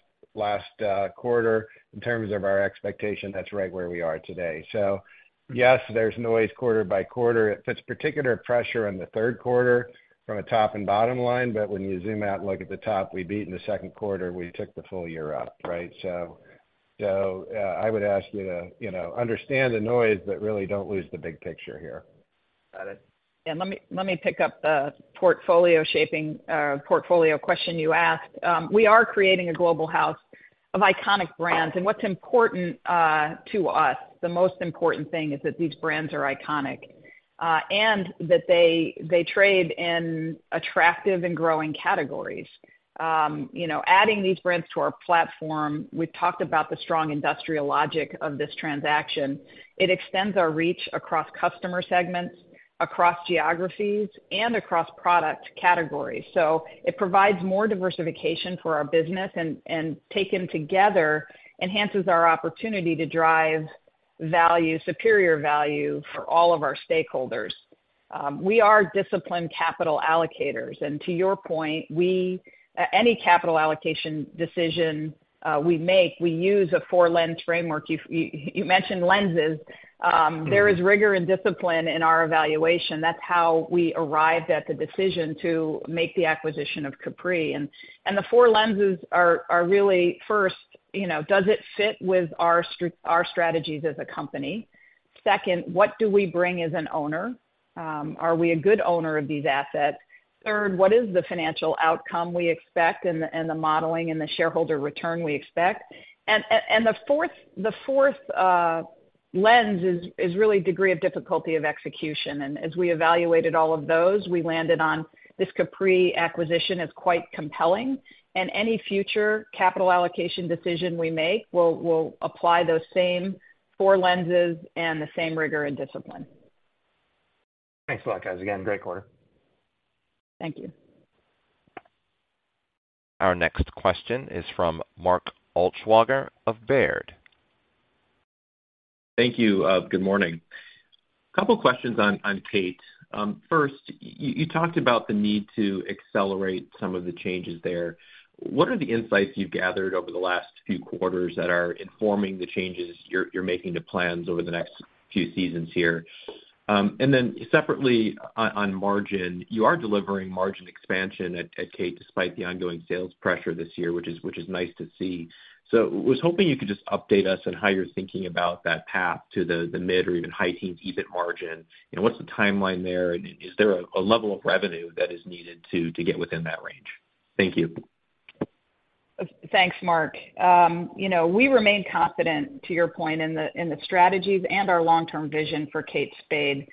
quarter. In terms of our expectation, that's right where we are today. So yes, there's noise quarter by quarter. It puts particular pressure on the third quarter from a top and bottom line, but when you zoom out and look at the top, we beat in the second quarter, we took the full year up, right? So, I would ask you to, you know, understand the noise, but really don't lose the big picture here. Got it. And let me pick up the portfolio shaping, portfolio question you asked. We are creating a global house of iconic brands, and what's important to us, the most important thing is that these brands are iconic, and that they trade in attractive and growing categories. You know, adding these brands to our platform, we've talked about the strong industrial logic of this transaction. It extends our reach across customer segments, across geographies, and across product categories. So it provides more diversification for our business, and taken together, enhances our opportunity to drive value, superior value for all of our stakeholders. We are disciplined capital allocators, and to your point, any capital allocation decision we make, we use a four-lens framework. You mentioned lenses. There is rigor and discipline in our evaluation. That's how we arrived at the decision to make the acquisition of Capri. The four lenses are really, first, you know, does it fit with our strategies as a company? Second, what do we bring as an owner? Are we a good owner of these assets? Third, what is the financial outcome we expect and the modeling and the shareholder return we expect? The fourth lens is really degree of difficulty of execution. As we evaluated all of those, we landed on this Capri acquisition as quite compelling, and any future capital allocation decision we make, we'll apply those same four lenses and the same rigor and discipline. Thanks a lot, guys. Again, great quarter. Thank you. Our next question is from Mark Altschwager of Baird. Thank you. Good morning. Couple questions on Kate. First, you talked about the need to accelerate some of the changes there. What are the insights you've gathered over the last few quarters that are informing the changes you're making to plans over the next few seasons here? And then separately on margin, you are delivering margin expansion at Kate, despite the ongoing sales pressure this year, which is nice to see. So I was hoping you could just update us on how you're thinking about that path to the mid or even high teens EBIT margin, you know, what's the timeline there? And is there a level of revenue that is needed to get within that range? Thank you. Thanks, Mark. You know, we remain confident, to your point, in the strategies and our long-term vision for Kate Spade.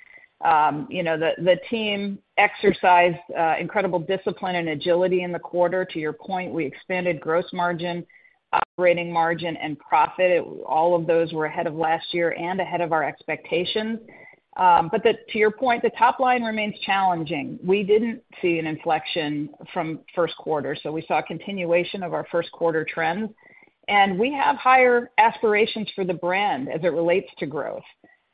You know, the team exercised incredible discipline and agility in the quarter. To your point, we expanded gross margin, operating margin, and profit. All of those were ahead of last year and ahead of our expectations. But to your point, the top line remains challenging. We didn't see an inflection from first quarter, so we saw a continuation of our first quarter trends, and we have higher aspirations for the brand as it relates to growth.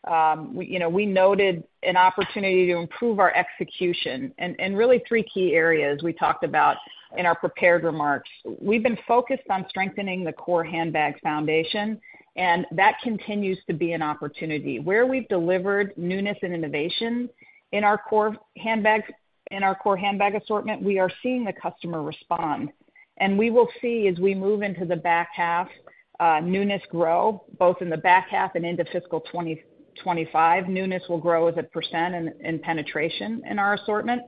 You know, we noted an opportunity to improve our execution in really three key areas we talked about in our prepared remarks. We've been focused on strengthening the core handbag foundation, and that continues to be an opportunity. Where we've delivered newness and innovation in our core handbags, in our core handbag assortment, we are seeing the customer respond. We will see, as we move into the back half, newness grow, both in the back half and into fiscal 2025. Newness will grow as a percent in penetration in our assortment.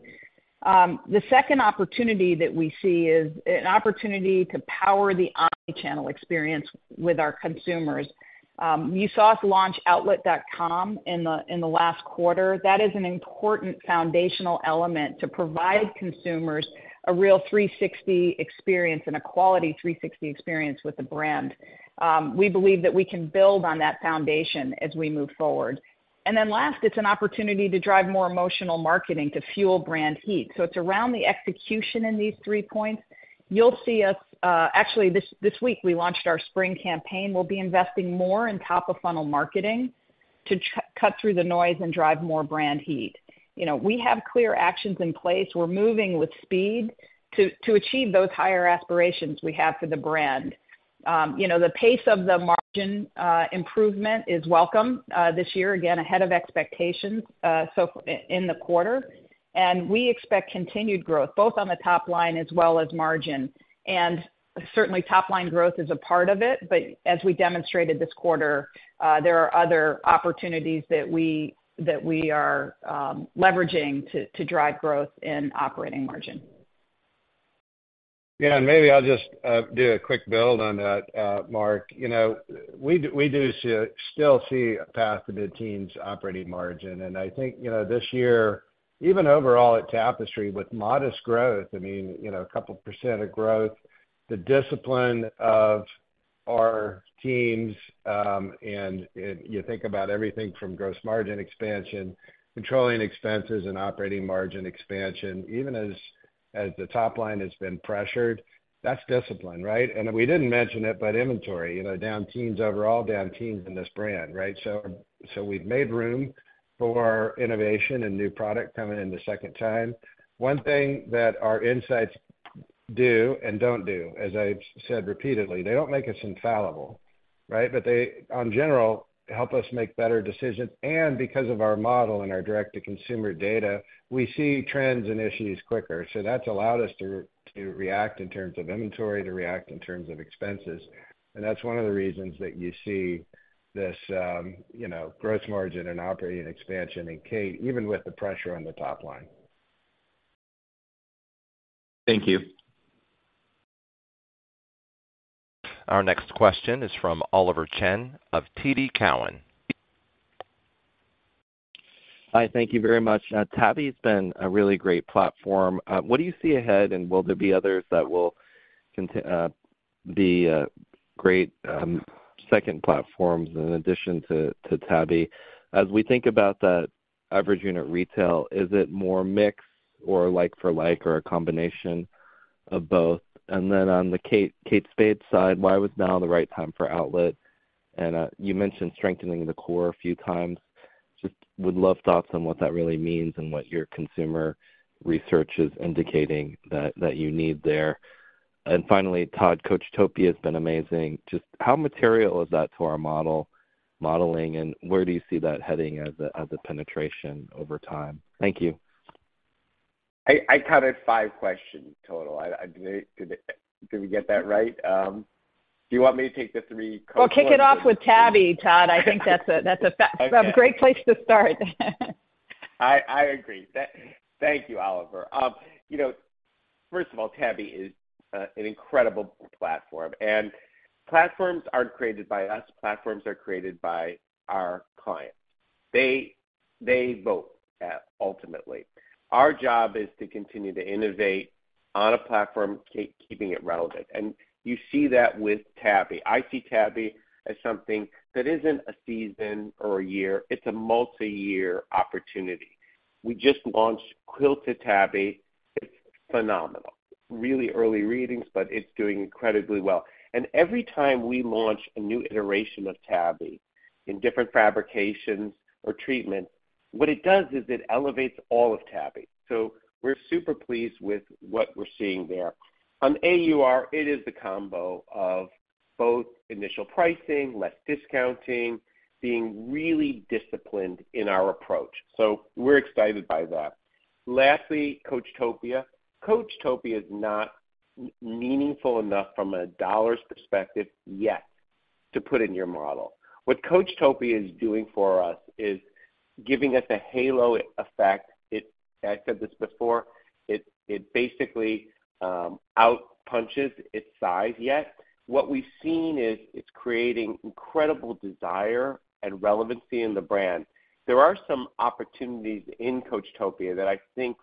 The second opportunity that we see is an opportunity to power the omni-channel experience with our consumers. You saw us launch outlet.com in the last quarter. That is an important foundational element to provide consumers a real 360 experience and a quality 360 experience with the brand. We believe that we can build on that foundation as we move forward. Then last, it's an opportunity to drive more emotional marketing to fuel brand heat. It's around the execution in these three points. You'll see us. Actually, this week, we launched our spring campaign. We'll be investing more in Top-of-Funnel Marketing to cut through the noise and drive more brand heat. You know, we have clear actions in place. We're moving with speed to achieve those higher aspirations we have for the brand. You know, the pace of the margin improvement is welcome this year, again, ahead of expectations, so in the quarter. And we expect continued growth, both on the top line as well as margin. And certainly, top line growth is a part of it, but as we demonstrated this quarter, there are other opportunities that we are leveraging to drive growth in operating margin. Yeah, and maybe I'll just do a quick build on that, Mark. You know, we do see, still see a path to the teens operating margin. And I think, you know, this year, even overall at Tapestry, with modest growth, I mean, you know, a couple% of growth, the discipline of our teams, and you think about everything from gross margin expansion, controlling expenses and operating margin expansion, even as the top line has been pressured, that's discipline, right? And we didn't mention it, but inventory, you know, down teens, overall down teens in this brand, right? So we've made room for innovation and new product coming in the second time. One thing that our insights do and don't do, as I've said repeatedly, they don't make us infallible, right? But they, in general, help us make better decisions. Because of our model and our direct-to-consumer data, we see trends and issues quicker. That's allowed us to, to react in terms of inventory, to react in terms of expenses. That's one of the reasons that you see this, you know, gross margin and operating expansion in Kate, even with the pressure on the top line. Thank you. Our next question is from Oliver Chen of TD Cowen. Hi, thank you very much. Tabby has been a really great platform. What do you see ahead, and will there be others that will continue to be great second platforms in addition to Tabby? As we think about that average unit retail, is it more mix or like for like, or a combination of both? And then on the Kate Spade side, why was now the right time for outlet? And you mentioned strengthening the core a few times. Just would love thoughts on what that really means and what your consumer research is indicating that you need there. And finally, Todd, Coachtopia has been amazing. Just how material is that to our modeling, and where do you see that heading as a penetration over time? Thank you. I counted five questions total. Did we get that right? Do you want me to take the three. Well, kick it off with Tabby, Todd. I think that's a fa- Okay. A great place to start. I agree. Thank you, Oliver. You know, first of all, Tabby is an incredible platform, and platforms aren't created by us, platforms are created by our clients. They vote ultimately. Our job is to continue to innovate on a platform, keeping it relevant. And you see that with Tabby. I see Tabby as something that isn't a season or a year, it's a multi-year opportunity. We just launched Quilted Tabby. It's phenomenal. Really early readings, but it's doing incredibly well. And every time we launch a new iteration of Tabby in different fabrications or treatments, what it does is it elevates all of Tabby. So we're super pleased with what we're seeing there. On AUR, it is the combo of both initial pricing, less discounting, being really disciplined in our approach. So we're excited by that. Lastly, Coachtopia. Coachtopia is not meaningful enough from a dollars perspective, yet, to put in your model. What Coachtopia is doing for us is giving us a halo effect. It. I said this before, it basically outpunches its size yet. What we've seen is, it's creating incredible desire and relevancy in the brand. There are some opportunities in Coachtopia that I think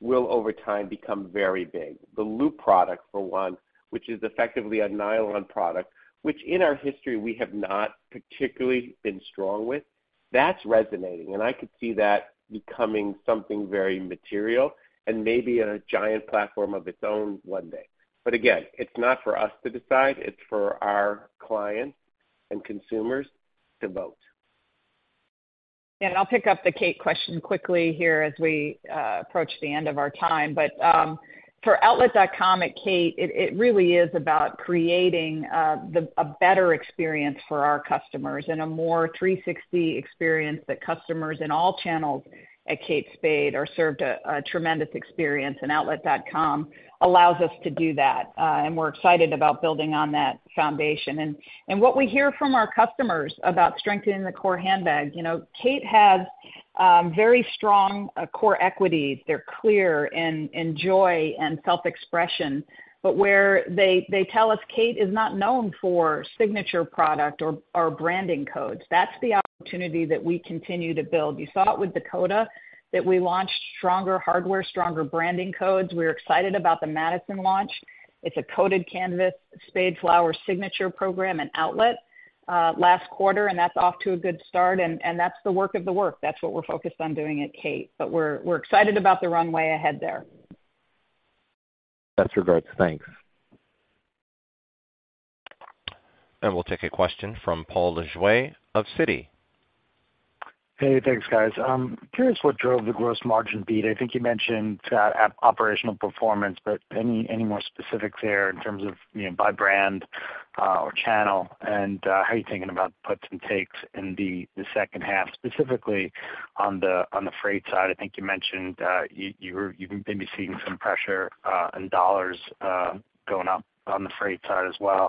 will, over time, become very big. The Loop product, for one, which is effectively a nylon product, which in our history, we have not particularly been strong with. That's resonating, and I could see that becoming something very material and maybe a giant platform of its own one day. But again, it's not for us to decide. It's for our clients and consumers to vote. And I'll pick up the Kate question quickly here as we approach the end of our time. But for outlet.com at Kate, it really is about creating a better experience for our customers and a more 360 experience that customers in all channels at Kate Spade are served a tremendous experience, and outlet.com allows us to do that. And we're excited about building on that foundation. And what we hear from our customers about strengthening the core handbag, you know, Kate has very strong core equities. They're clear and joy and self-expression, but where they tell us, Kate is not known for signature product or branding codes. That's the opportunity that we continue to build. You saw it with Dakota, that we launched stronger hardware, stronger branding codes. We're excited about the Madison launch. It's a coded canvas Spade Flower signature program and outlet last quarter, and that's off to a good start, and that's the work of the work. That's what we're focused on doing at Kate, but we're excited about the runway ahead there. That's right. Thanks. We'll take a question from Paul Lejuez of Citi. Hey, thanks, guys. Curious what drove the Gross Margin beat. I think you mentioned operational performance, but any more specifics there in terms of, you know, by brand or channel? And how are you thinking about puts and takes in the second half, specifically on the freight side? I think you mentioned you’ve been seeing some pressure in dollars going up on the freight side as well.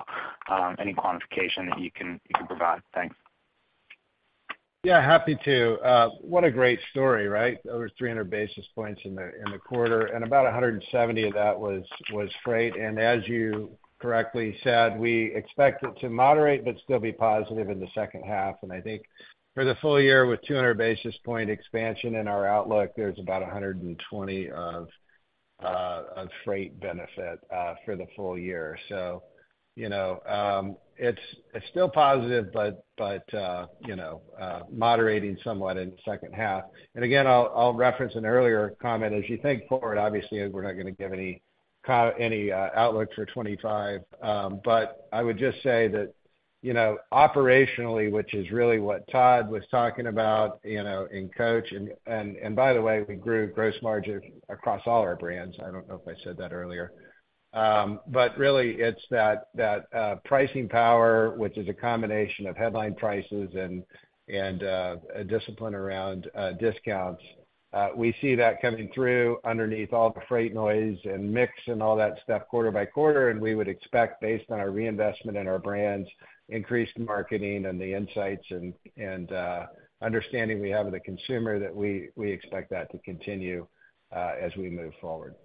Any quantification that you can provide? Thanks. Yeah, happy to. What a great story, right? Over 300 basis points in the quarter, and about 170 of that was freight. And as you correctly said, we expect it to moderate but still be positive in the second half. And I think for the full year, with 200 basis point expansion in our outlook, there's about 120 of freight benefit for the full year. So, you know, it's still positive, but you know, moderating somewhat in the second half. And again, I'll reference an earlier comment. As you think forward, obviously, we're not going to give any outlook for 2025. But I would just say that, you know, operationally, which is really what Todd was talking about, you know, in Coach. By the way, we grew gross margin across all our brands. I don't know if I said that earlier. But really, it's that pricing power, which is a combination of headline prices and a discipline around discounts. We see that coming through underneath all the freight noise and mix and all that stuff quarter by quarter, and we would expect, based on our reinvestment in our brands, increased marketing and the insights and understanding we have of the consumer, that we expect that to continue as we move forward.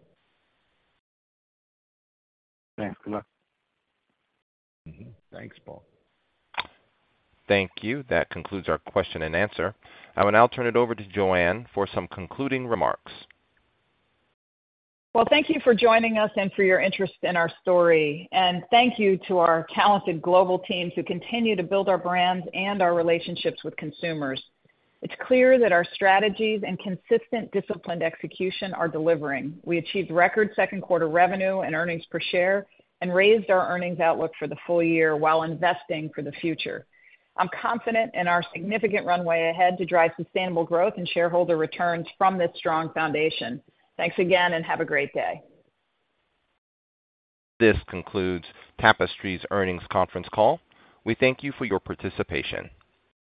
Thanks a lot. Mm-hmm. Thanks, Paul. Thank you. That concludes our question and answer. I will now turn it over to Joanne for some concluding remarks. Well, thank you for joining us and for your interest in our story. Thank you to our talented global team who continue to build our brands and our relationships with consumers. It's clear that our strategies and consistent, disciplined execution are delivering. We achieved record second quarter revenue and earnings per share and raised our earnings outlook for the full year while investing for the future. I'm confident in our significant runway ahead to drive sustainable growth and shareholder returns from this strong foundation. Thanks again, and have a great day. This concludes Tapestry's earnings conference call. We thank you for your participation.